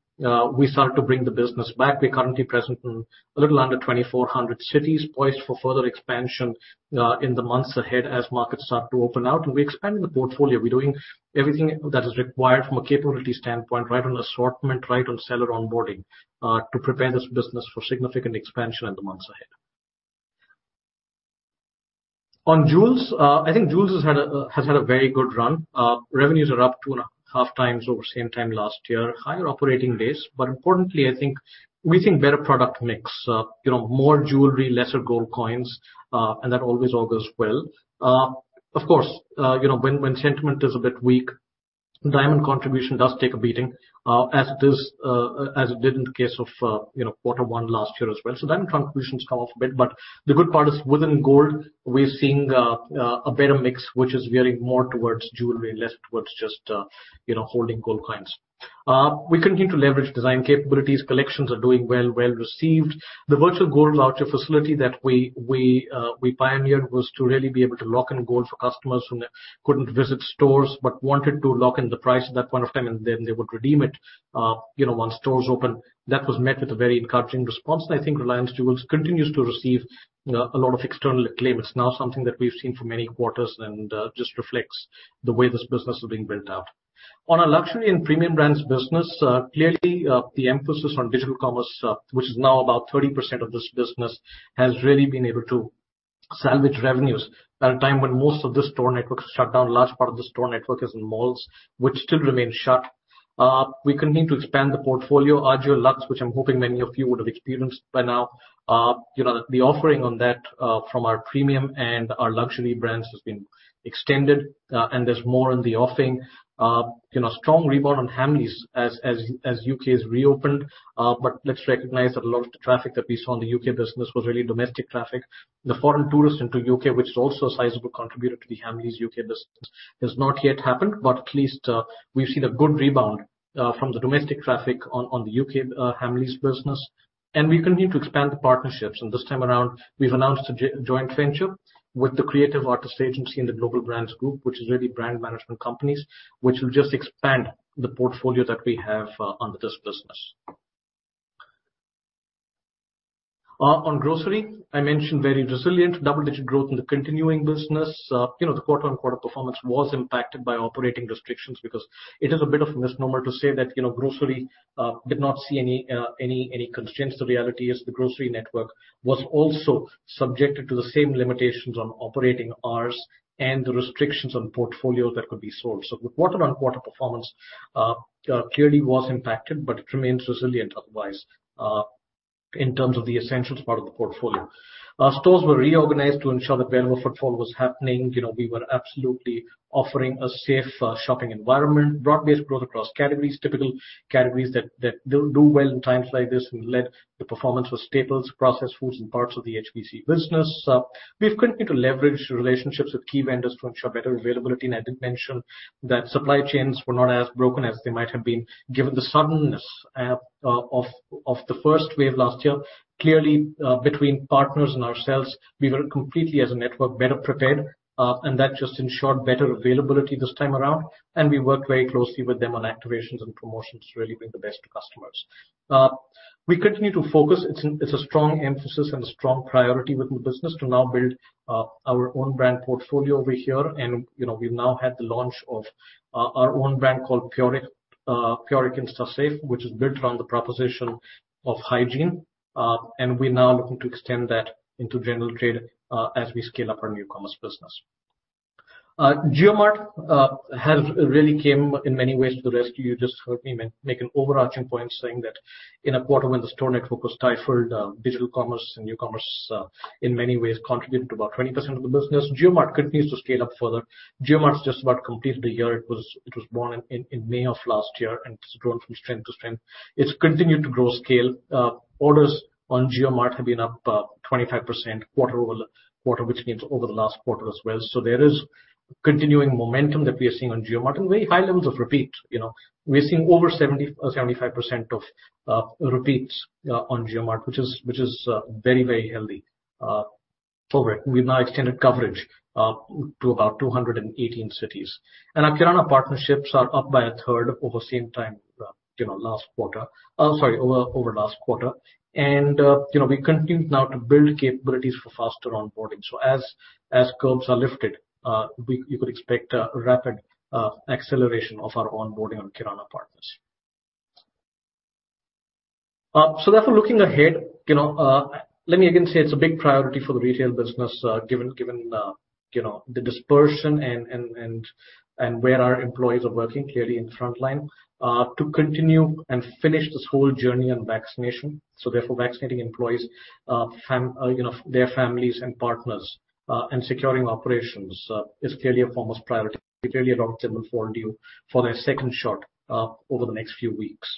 we started to bring the business back. We're currently present in a little under 2,400 cities, poised for further expansion in the months ahead as markets start to open out. We're expanding the portfolio. We're doing everything that is required from a capability standpoint, right on assortment, right on seller onboarding, to prepare this business for significant expansion in the months ahead. On Jewels. I think Jewels has had a very good run. Revenues are up 2.5x over same time last year. Higher operating days. Importantly, I think we think better product mix. More jewelry, lesser gold coins, that always augurs well. Of course, when sentiment is a bit weak, diamond contribution does take a beating, as it did in the case of Q1 last year as well. Diamond contributions come off a bit, the good part is within gold, we're seeing a better mix, which is veering more towards jewelry, less towards just holding gold coins. We continue to leverage design capabilities. Collections are doing well, well-received. The virtual gold voucher facility that we pioneered was to really be able to lock in gold for customers who couldn't visit stores but wanted to lock in the price at that point of time, and then they would redeem it once stores open. That was met with a very encouraging response. I think Reliance Jewels continues to receive a lot of external acclaim. It's now something that we've seen for many quarters and just reflects the way this business is being built out. On our luxury and premium brands business, clearly, the emphasis on digital commerce, which is now about 30% of this business, has really been able to salvage revenues at a time when most of this store network has shut down. Large part of the store network is in malls, which still remain shut. We continue to expand the portfolio, AJIO Luxe, which I'm hoping many of you would have experienced by now. The offering on that from our premium and our luxury brands has been extended, and there's more in the offing. Strong rebound on Hamleys as U.K. has reopened. Let's recognize that a lot of the traffic that we saw in the U.K. business was really domestic traffic. The foreign tourists into U.K., which is also a sizable contributor to the Hamleys U.K. business, has not yet happened. At least we've seen a good rebound from the domestic traffic on the U.K. Hamleys business. We continue to expand the partnerships. This time around, we've announced a joint venture with Creative Artists Agency and the Global Brands Group, which is really brand management companies, which will just expand the portfolio that we have under this business. On grocery, I mentioned very resilient double-digit growth in the continuing business. The quarter-on-quarter performance was impacted by operating restrictions because it is a bit of a misnomer to say that grocery did not see any constraints. The reality is the grocery network was also subjected to the same limitations on operating hours and the restrictions on portfolios that could be sold. The quarter-on-quarter performance clearly was impacted, but it remains resilient otherwise, in terms of the essentials part of the portfolio. Our stores were reorganized to ensure that wherever footfall was happening, we were absolutely offering a safe shopping environment. Broad-based growth across categories, typical categories that do well in times like this and led the performance was staples, processed foods, and parts of the HPC business. We've continued to leverage relationships with key vendors to ensure better availability, and I did mention that supply chains were not as broken as they might have been, given the suddenness of the first wave last year. Clearly, between partners and ourselves, we were completely, as a network, better prepared, and that just ensured better availability this time around. We worked very closely with them on activations and promotions to really bring the best to customers. We continue to focus, it's a strong emphasis and a strong priority within the business to now build our own brand portfolio over here. We've now had the launch of our own brand called Puric InstaSafe, which is built around the proposition of hygiene. We're now looking to extend that into general trade as we scale up our new commerce business. JioMart has really came, in many ways, to the rescue. You just heard me make an overarching point saying that in a quarter when the store network was stifled, digital commerce and new commerce in many ways contributed to about 20% of the business. JioMart continues to scale up further. JioMart's just about completed a year. It was born in May of last year, and it's grown from strength to strength. It's continued to grow scale. Orders on JioMart have been up 25% quarter-over-quarter, which means over the last quarter as well. There is continuing momentum that we are seeing on JioMart and very high levels of repeat. We are seeing over 75% of repeats on JioMart, which is very healthy. We've now extended coverage to about 218 cities. Our Kirana partnerships are up by a 1/3 over last quarter. We continue now to build capabilities for faster onboarding. As curbs are lifted, you could expect a rapid acceleration of our onboarding on Kirana partners. Looking ahead, let me again say it's a big priority for the retail business, given the dispersion and where our employees are working, clearly in the frontline, to continue and finish this whole journey on vaccination. Vaccinating employees, their families and partners, and securing operations is clearly a foremost priority. A lot of them are falling due for their second shot over the next few weeks.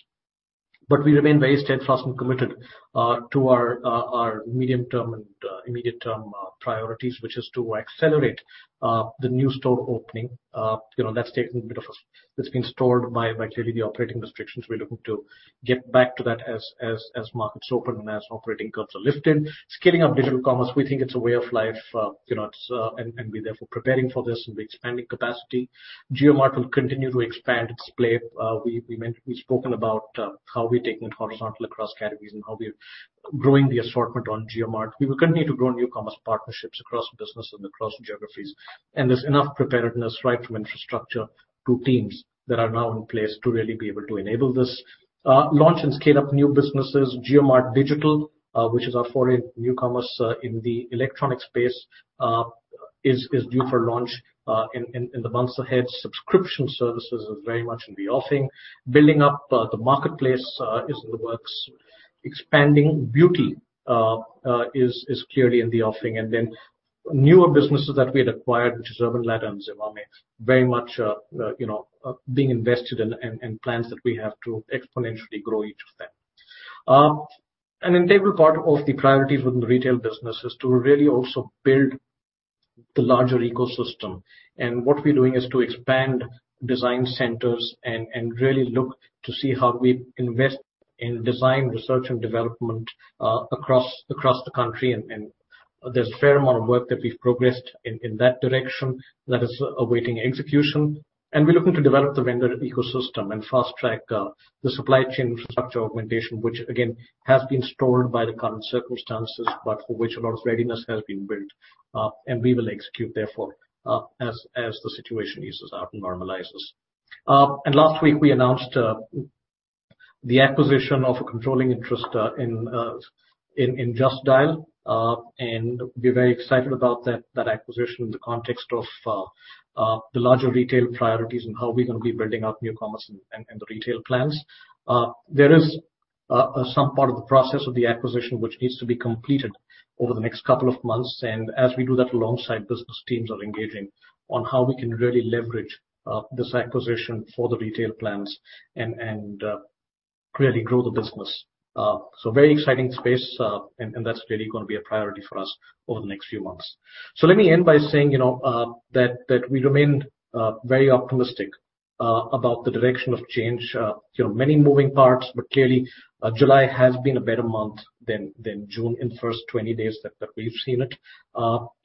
We remain very steadfast and committed to our medium-term and immediate-term priorities, which is to accelerate the new store opening. It's been stalled by clearly the operating restrictions. We're looking to get back to that as markets open and as operating curbs are lifted. Scaling up digital commerce, we think it's a way of life, and we're therefore preparing for this and we're expanding capacity. JioMart will continue to expand its play. We've spoken about how we're taking it horizontal across categories and how we're growing the assortment on JioMart. We will continue to grow new commerce partnerships across business and across geographies, and there's enough preparedness right from infrastructure to teams that are now in place to really be able to enable this. Launch and scale up new businesses. JioMart Digital, which is our foray in new commerce in the electronic space, is due for launch in the months ahead. Subscription services is very much in the offing. Building up the marketplace is in the works. Expanding beauty is clearly in the offing. Then newer businesses that we had acquired, which is Urban Ladder and Zivame, very much being invested in and plans that we have to exponentially grow each of them. An integral part of the priorities within the retail business is to really also build the larger ecosystem. What we're doing is to expand design centers and really look to see how we invest in design, research, and development across the country. There's a fair amount of work that we've progressed in that direction that is awaiting execution. We're looking to develop the vendor ecosystem and fast-track the supply chain infrastructure augmentation, which again, has been stalled by the current circumstances, but for which a lot of readiness has been built. We will execute, therefore, as the situation eases out and normalizes. Last week we announced the acquisition of a controlling interest in Just Dial, and we're very excited about that acquisition in the context of the larger retail priorities and how we're going to be building out New Commerce and the retail plans. There is some part of the process of the acquisition which needs to be completed over the next couple of months, and as we do that alongside business teams are engaging on how we can really leverage this acquisition for the retail plans and really grow the business. Very exciting space, and that's really going to be a priority for us over the next few months. Let me end by saying that we remain very optimistic about the direction of change. Many moving parts, but clearly July has been a better month than June in the first 20 days that we've seen it.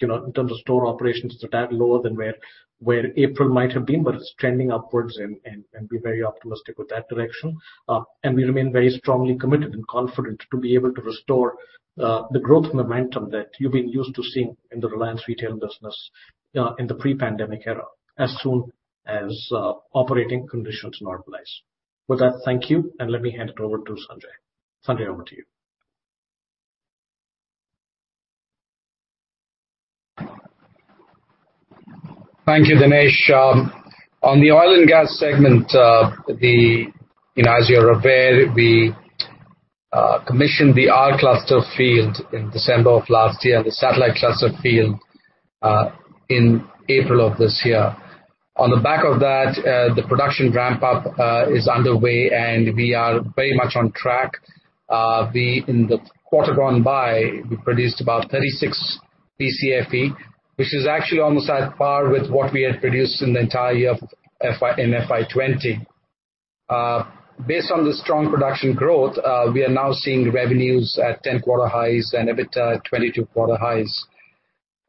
In terms of store operations, it's a tad lower than where April might have been, but it's trending upwards and we're very optimistic with that direction. We remain very strongly committed and confident to be able to restore the growth momentum that you've been used to seeing in the Reliance Retail business in the pre-pandemic era as soon as operating conditions normalize. With that, thank you, and let me hand it over to Sanjay. Sanjay, over to you. Thank you, Dinesh. On the oil and gas segment, as you're aware, we commissioned the R Cluster field in December of last year and the Satellite Cluster field in April of this year. On the back of that, the production ramp-up is underway, and we are very much on track. In the quarter gone by, we produced about 36 BCFE, which is actually almost at par with what we had produced in the entire year in FY 2020. Based on the strong production growth, we are now seeing revenues at 10 quarter highs and EBITDA at 22 quarter highs.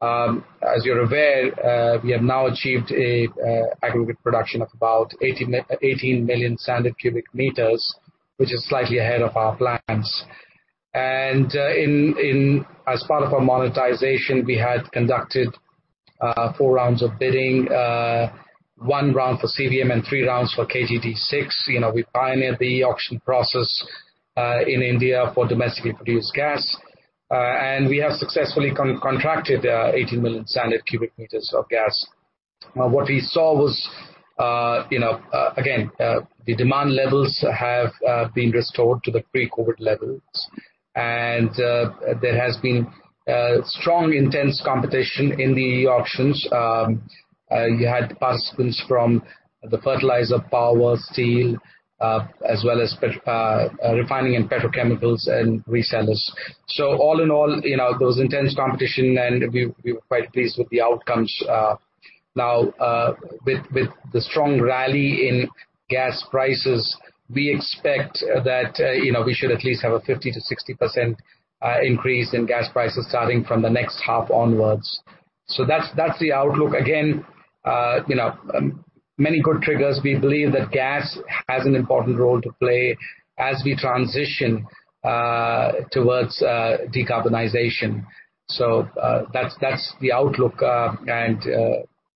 As you're aware, we have now achieved an aggregate production of about 18 million standard cubic meters, which is slightly ahead of our plans. As part of our monetization, we had conducted four rounds of bidding, one round for CBM and three rounds for KG-D6. We pioneered the auction process in India for domestically produced gas. We have successfully contracted 18 million standard cubic meters of gas. What we saw was, again, the demand levels have been restored to the pre-COVID levels. There has been strong, intense competition in the auctions. You had participants from the fertilizer, power, steel, as well as refining and petrochemicals, and resellers. All in all, there was intense competition and we were quite pleased with the outcomes. Now, with the strong rally in gas prices, we expect that we should at least have a 50%-60% increase in gas prices starting from the next half onwards. That's the outlook. Again, many good triggers. We believe that gas has an important role to play as we transition towards decarbonization. That's the outlook.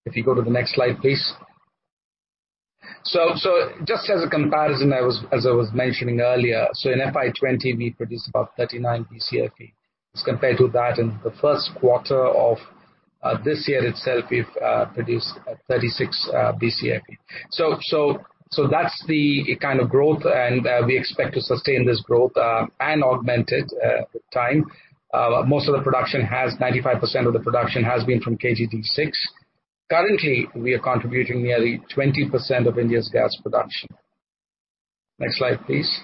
If you go to the next slide, please. Just as a comparison, as I was mentioning earlier, in FY 2020 we produced about 39 BCFE as compared to that in the first quarter of this year itself we've produced 36 BCFE. That's the kind of growth and we expect to sustain this growth and augment it with time. 95% of the production has been from KG-D6. Currently, we are contributing nearly 20% of India's gas production. Next slide, please.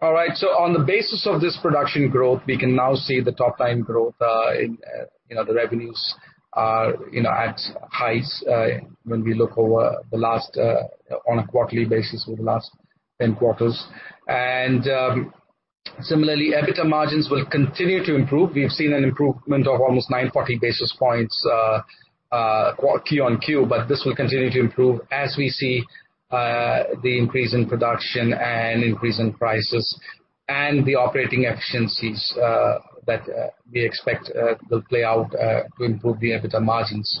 All right. On the basis of this production growth, we can now see the top-line growth in the revenues are at highs when we look over on a quarterly basis over the last 10 quarters. Similarly, EBITDA margins will continue to improve. We've seen an improvement of almost 940 basis points Q-on-Q, this will continue to improve as we see the increase in production and increase in prices and the operating efficiencies that we expect will play out to improve the EBITDA margins.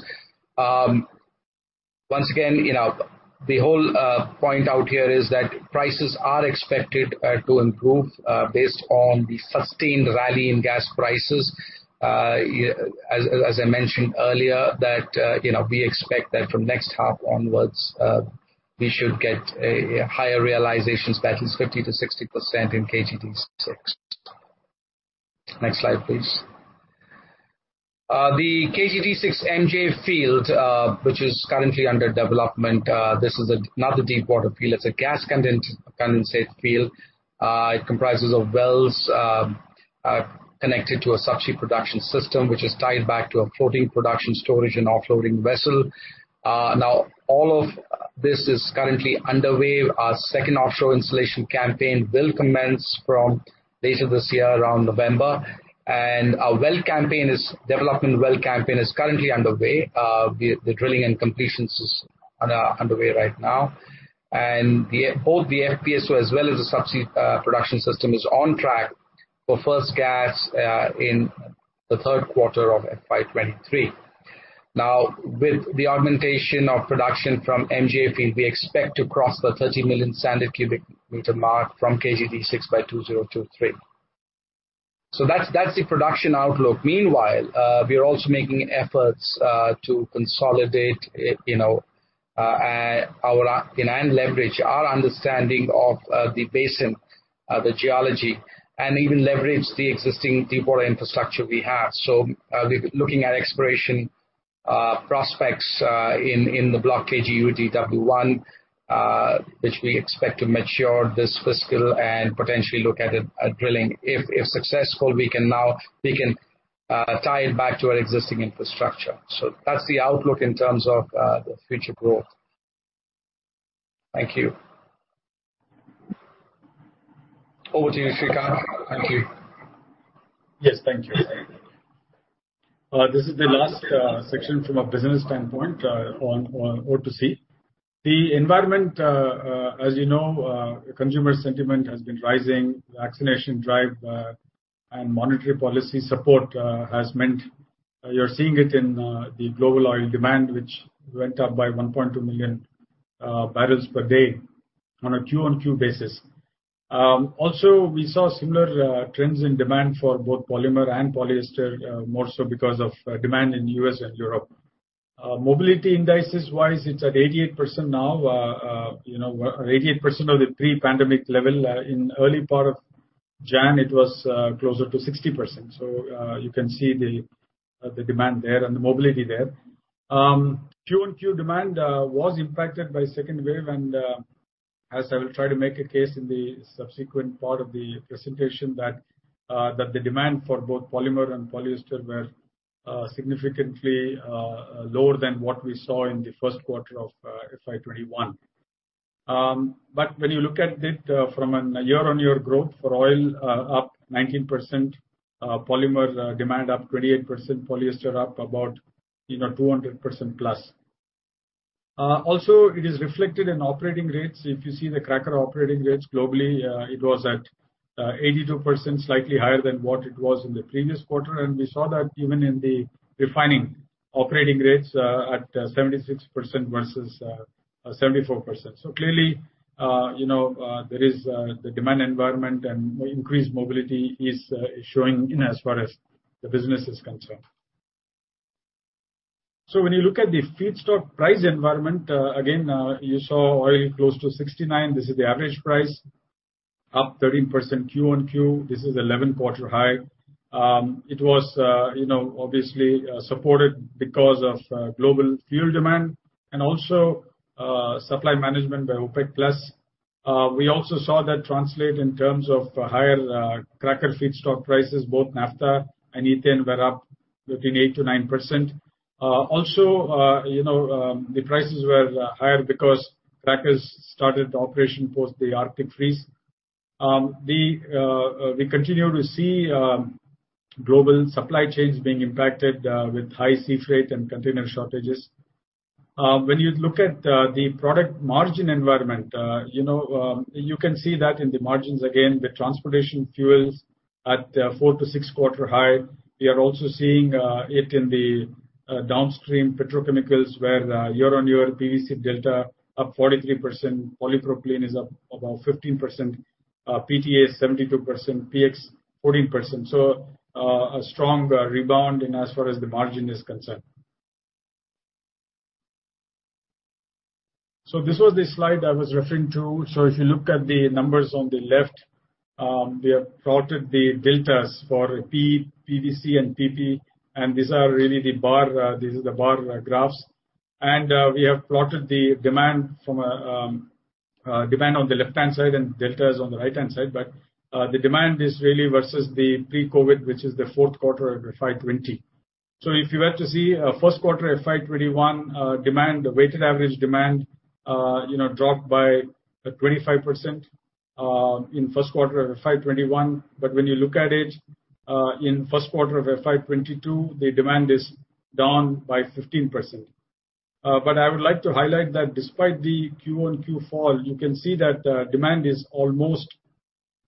Once again, the whole point out here is that prices are expected to improve based on the sustained rally in gas prices. As I mentioned earlier, we expect that from next half onwards, we should get higher realizations, that is 50%-60% in KG-D6. Next slide, please. The KG-D6 MJ field, which is currently under development, this is not a deepwater field. It's a gas condensate field. It comprises of wells connected to a subsea production system, which is tied back to a floating production storage and offloading vessel. All of this is currently underway. Our second offshore installation campaign will commence from later this year, around November. Our development well campaign is currently underway. The drilling and completions is underway right now. Both the FPSO as well as the subsea production system is on track for first gas in the third quarter of FY 2023. With the augmentation of production from MJ Field, we expect to cross the 30 million standard cubic meter mark from KG-D6 by 2023. That's the production outlook. Meanwhile, we are also making efforts to consolidate and leverage our understanding of the basin, the geology, and even leverage the existing deepwater infrastructure we have. We're looking at exploration prospects in the block KG-UDW1, which we expect to mature this fiscal and potentially look at drilling. If successful, we can tie it back to our existing infrastructure. That's the outlook in terms of the future growth. Thank you. Over to you, Srikanth. Thank you. Yes, thank you. This is the last section from a business standpoint on O2C. The environment, as you know, consumer sentiment has been rising. Vaccination drive and monetary policy support has meant you're seeing it in the global oil demand, which went up by 1.2 million barrels per day on a Q-on-Q basis. We saw similar trends in demand for both polymer and polyester, more so because of demand in U.S. and Europe. Mobility indices wise, it's at 88% now. 88% of the pre-pandemic level. In early part of January, it was closer to 60%. You can see the demand there and the mobility there. Q-on-Q demand was impacted by second wave. As I will try to make a case in the subsequent part of the presentation that the demand for both polymer and polyester were significantly lower than what we saw in the first quarter of FY 2021. When you look at it from a year-on-year growth for oil, up 19%, polymers demand up 28%, polyester up about 200% plus. Also, it is reflected in operating rates. If you see the cracker operating rates globally, it was at 82%, slightly higher than what it was in the previous quarter. We saw that even in the refining operating rates at 76% versus 74%. Clearly, there is the demand environment and increased mobility is showing in as far as the business is concerned. When you look at the feedstock price environment, again, you saw oil close to 69. This is the average price, up 13% Q-on-Q. This is 11-quarter high. It was obviously supported because of global fuel demand and also supply management by OPEC Plus. We saw that translate in terms of higher cracker feedstock prices. Both naphtha and ethane were up between 8%-9%. The prices were higher because crackers started operation post the Arctic freeze. We continue to see global supply chains being impacted, with high sea freight and container shortages. When you look at the product margin environment, you can see that in the margins again with transportation fuels at four to six quarter high. We are also seeing it in the downstream petrochemicals where year-on-year PVC delta up 43%, polypropylene is up about 15%, PTA 72%, PX 14%. A strong rebound in as far as the margin is concerned. This was the slide I was referring to. If you look at the numbers on the left, we have plotted the deltas for PE, PVC and PP. These are really the bar graphs. We have plotted the demand on the left-hand side and delta is on the right-hand side. The demand is really versus the pre-COVID, which is the fourth quarter of FY 2020. If you were to see first quarter FY 2021 demand, the weighted average demand dropped by 25% in first quarter of FY 2021. When you look at it in first quarter of FY 2022, the demand is down by 15%. I would like to highlight that despite the Q-on-Q fall, you can see that demand is almost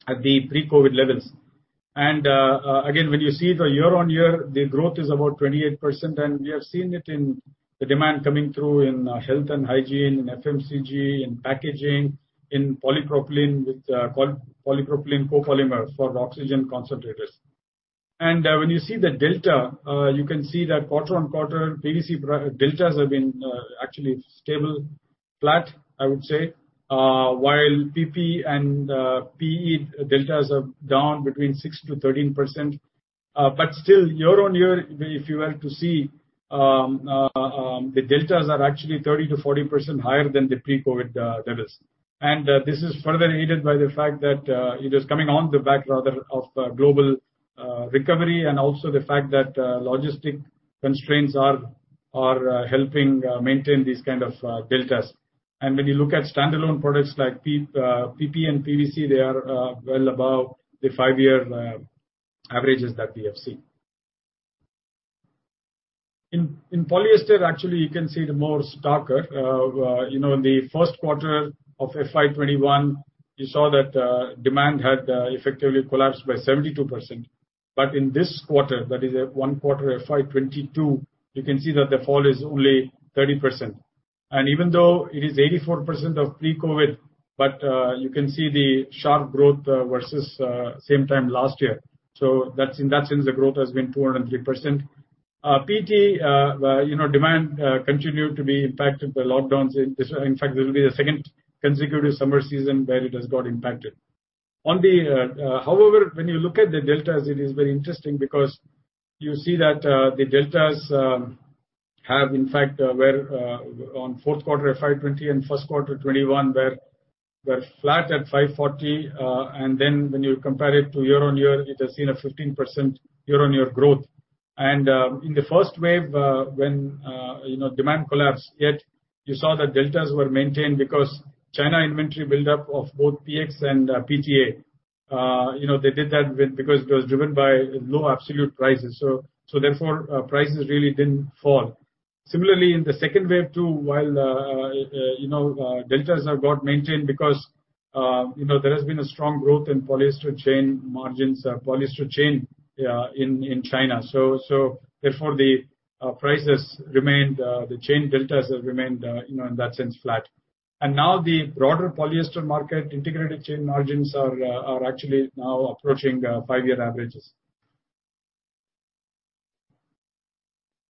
at the pre-COVID levels. Again, when you see the year-on-year, the growth is about 28%. We have seen it in the demand coming through in health and hygiene, in FMCG, in packaging, in polypropylene with polypropylene copolymer for oxygen concentrators. When you see the delta, you can see that quarter on quarter PVC deltas have been actually stable, flat, I would say, while PP and PE deltas are down between 6%-13%. Still year-on-year, if you were to see, the deltas are actually 30%-40% higher than the pre-COVID levels. This is further aided by the fact that it is coming on the back rather of global recovery, and also the fact that logistic constraints are helping maintain these kind of deltas. When you look at standalone products like PP and PVC, they are well above the five-year averages that we have seen. In polyester, actually, you can see the more stock. In the first quarter of FY 2021, you saw that demand had effectively collapsed by 72%. In this quarter, that is at one quarter FY 2022, you can see that the fall is only 30%. Even though it is 84% of pre-COVID, but you can see the sharp growth versus same time last year. In that sense, the growth has been 203%. PET demand continued to be impacted by lockdowns in this, in fact, it will be the second consecutive summer season where it has got impacted. However, when you look at the deltas, it is very interesting because you see that the deltas have, in fact, were on fourth quarter of 520 and first quarter 2021 were flat at 540, and then when you compare it to year-on-year, it has seen a 15% year-on-year growth. In the first wave, when demand collapsed, yet you saw that deltas were maintained because China inventory buildup of both PX and PTA. They did that because it was driven by low absolute prices, so therefore, prices really didn't fall. Similarly, in the second wave, too, while deltas have got maintained because there has been a strong growth in polyester chain margins, polyester chain in China. Therefore, the chain deltas have remained, in that sense, flat. Now the broader polyester market integrated chain margins are actually now approaching five-year averages.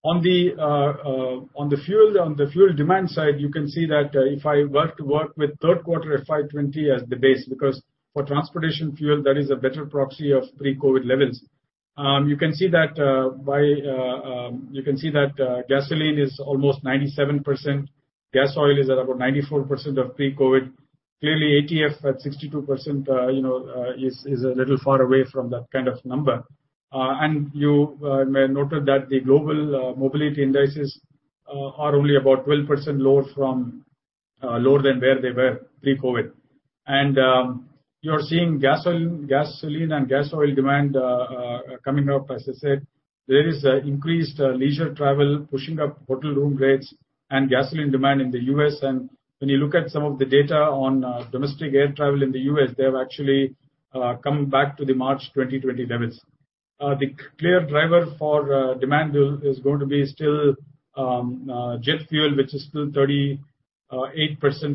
On the fuel demand side, you can see that if I were to work with third quarter of FY 2020 as the base, because for transportation fuel, that is a better proxy of pre-COVID levels. You can see that gasoline is almost 97%. Gas oil is at about 94% of pre-COVID. Clearly, ATF at 62% is a little far away from that kind of number. You may have noted that the global mobility indices are only about 12% lower than where they were pre-COVID. You are seeing gasoline and gas oil demand coming up. As I said, there is increased leisure travel pushing up hotel room rates and gasoline demand in the U.S. When you look at some of the data on domestic air travel in the U.S., they have actually come back to the March 2020 levels. The clear driver for demand is going to be still jet fuel, which is still 38%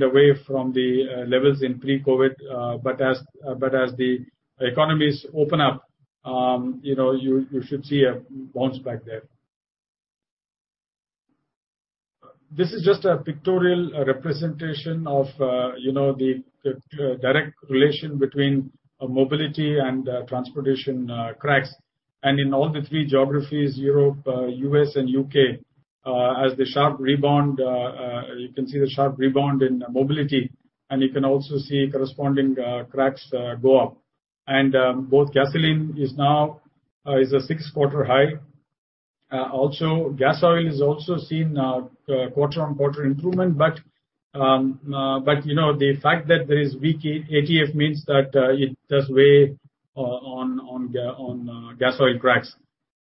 away from the levels in pre-COVID. As the economies open up, you should see a bounce back there. This is just a pictorial representation of the direct relation between mobility and transportation cracks. In all the three geographies, Europe, U.S., and U.K., you can see the sharp rebound in mobility, and you can also see corresponding cracks go up. Both gasoline is now a six-quarter high. Gas oil is also seeing quarter-on-quarter improvement, but the fact that there is weak ATF means that it does weigh on gas oil cracks.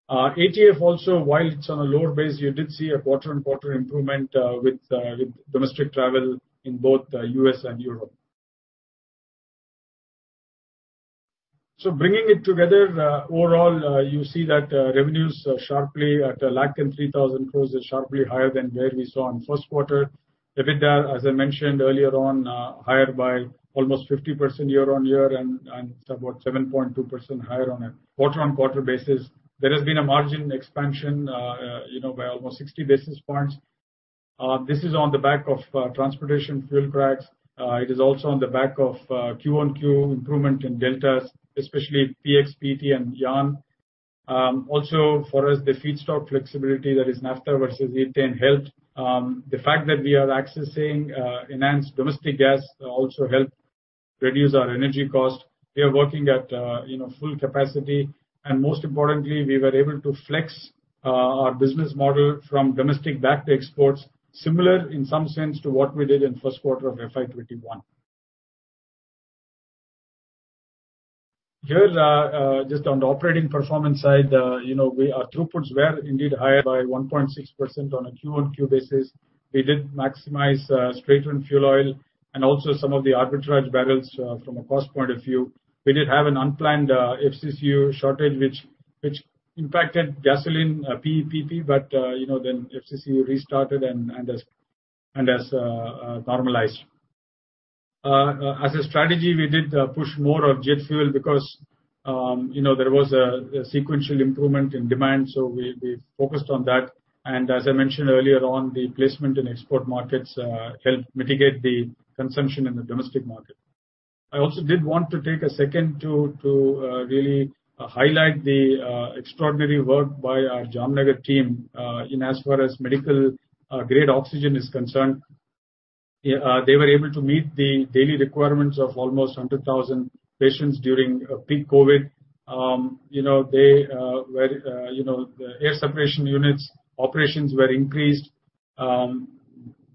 ATF also, while it's on a lower base, you did see a quarter-on-quarter improvement with domestic travel in both U.S. and Europe. Bringing it together, overall, you see that revenues sharply at 103,000 closes sharply higher than where we saw in 1st quarter. EBITDA, as I mentioned earlier on, higher by almost 50% year-on-year and it's about 7.2% higher on a quarter-on-quarter basis. There has been a margin expansion by almost 60 basis points. This is on the back of transportation fuel cracks. It is also on the back of Q-on-Q improvement in deltas, especially PX, PET, and yarn. Also for us, the feedstock flexibility that is naphtha versus ethane helped. The fact that we are accessing enhanced domestic gas also helped reduce our energy cost. We are working at full capacity. Most importantly, we were able to flex our business model from domestic back to exports, similar in some sense to what we did in first quarter of FY 2021. Here, just on the operating performance side, our throughputs were indeed higher by 1.6% on a Q-on-Q basis. We did maximize straight run fuel oil and also some of the arbitrage barrels from a cost point of view. We did have an unplanned FCCU shortage, which impacted gasoline PE, PP. FCCU restarted and has normalized. As a strategy, we did push more of jet fuel because there was a sequential improvement in demand. We focused on that. As I mentioned earlier on, the placement in export markets helped mitigate the consumption in the domestic market. I also did want to take a second to really highlight the extraordinary work by our Jamnagar team in as far as medical grade oxygen is concerned. They were able to meet the daily requirements of almost 100,000 patients during peak-COVID. The air separation units operations were increased.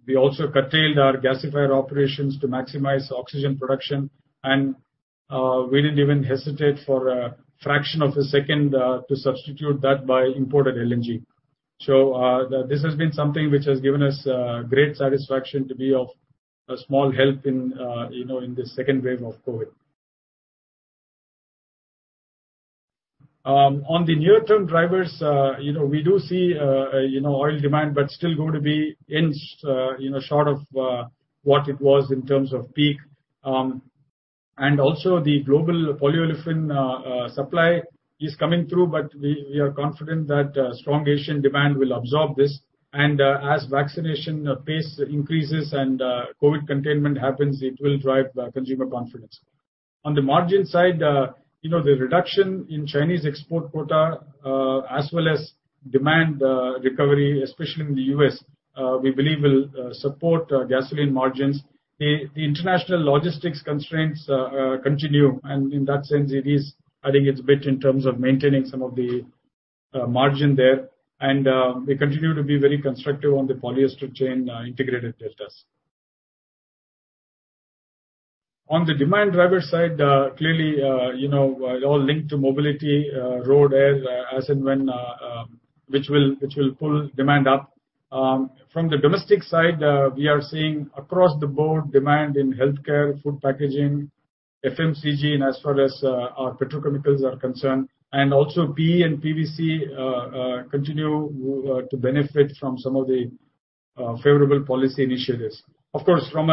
We also curtailed our gasifier operations to maximize oxygen production. We didn't even hesitate for a fraction of a second to substitute that by imported LNG. This has been something which has given us great satisfaction to be of a small help in the second wave of COVID. On the near-term drivers, we do see oil demand, but still going to be inch short of what it was in terms of peak. Also, the global polyolefin supply is coming through, but we are confident that strong Asian demand will absorb this. As vaccination pace increases and COVID containment happens, it will drive consumer confidence. On the margin side, the reduction in Chinese export quota, as well as demand recovery, especially in the U.S., we believe will support gasoline margins. The international logistics constraints continue, and in that sense, it is adding its bit in terms of maintaining some of the margin there. We continue to be very constructive on the polyester chain integrated deltas. On the demand driver side, clearly, it all linked to mobility, road, air, as and when, which will pull demand up. From the domestic side, we are seeing across the board demand in healthcare, food packaging, FMCG, and as far as our petrochemicals are concerned. Also PE and PVC continue to benefit from some of the favorable policy initiatives. Of course, from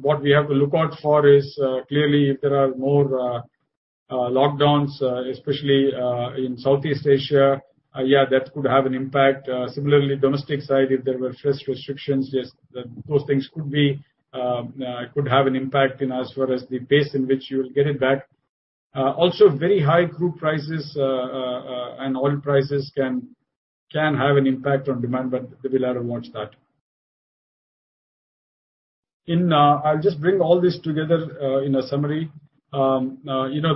what we have to look out for is, clearly, if there are more lockdowns, especially in Southeast Asia, yeah, that could have an impact. Similarly, domestic side, if there were fresh restrictions, those things could have an impact in as far as the pace in which you'll get it back. Very high crude prices and oil prices can have an impact on demand, but we'll rather watch that. I'll just bring all this together in a summary.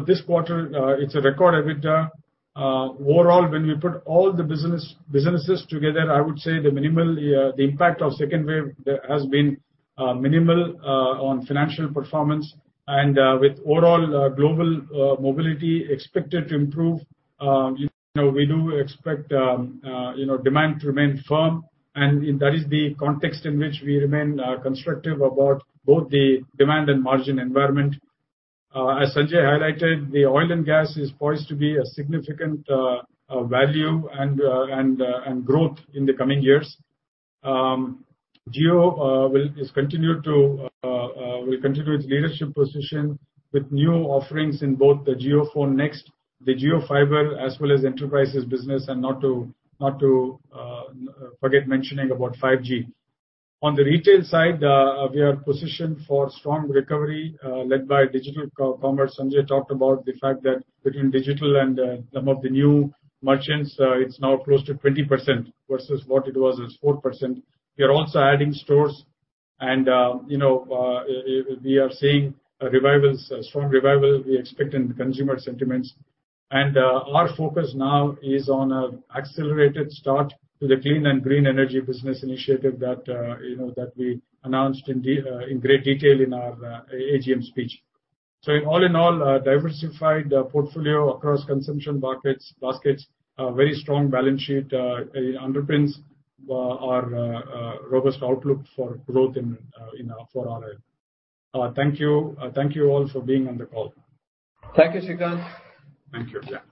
This quarter, it's a record EBITDA. Overall, when we put all the businesses together, I would say the impact of second wave has been minimal on financial performance. With overall global mobility expected to improve, we do expect demand to remain firm. That is the context in which we remain constructive about both the demand and margin environment. As Sanjay highlighted, the oil and gas is poised to be a significant value and growth in the coming years. Jio will continue its leadership position with new offerings in both the JioPhone Next, the JioFiber, as well as enterprises business, and not to forget mentioning about 5G. On the retail side, we are positioned for strong recovery, led by digital commerce. Sanjay talked about the fact that between digital and some of the new merchants, it's now close to 20% versus what it was as 4%. We are also adding stores, and we are seeing a strong revival we expect in consumer sentiments. Our focus now is on accelerated start to the clean and green energy business initiative that we announced in great detail in our AGM speech. All in all, diversified portfolio across consumption baskets, very strong balance sheet underpins our robust outlook for growth in our forward. Thank you all for being on the call. Thank you, Srikanth. Thank you. Sir.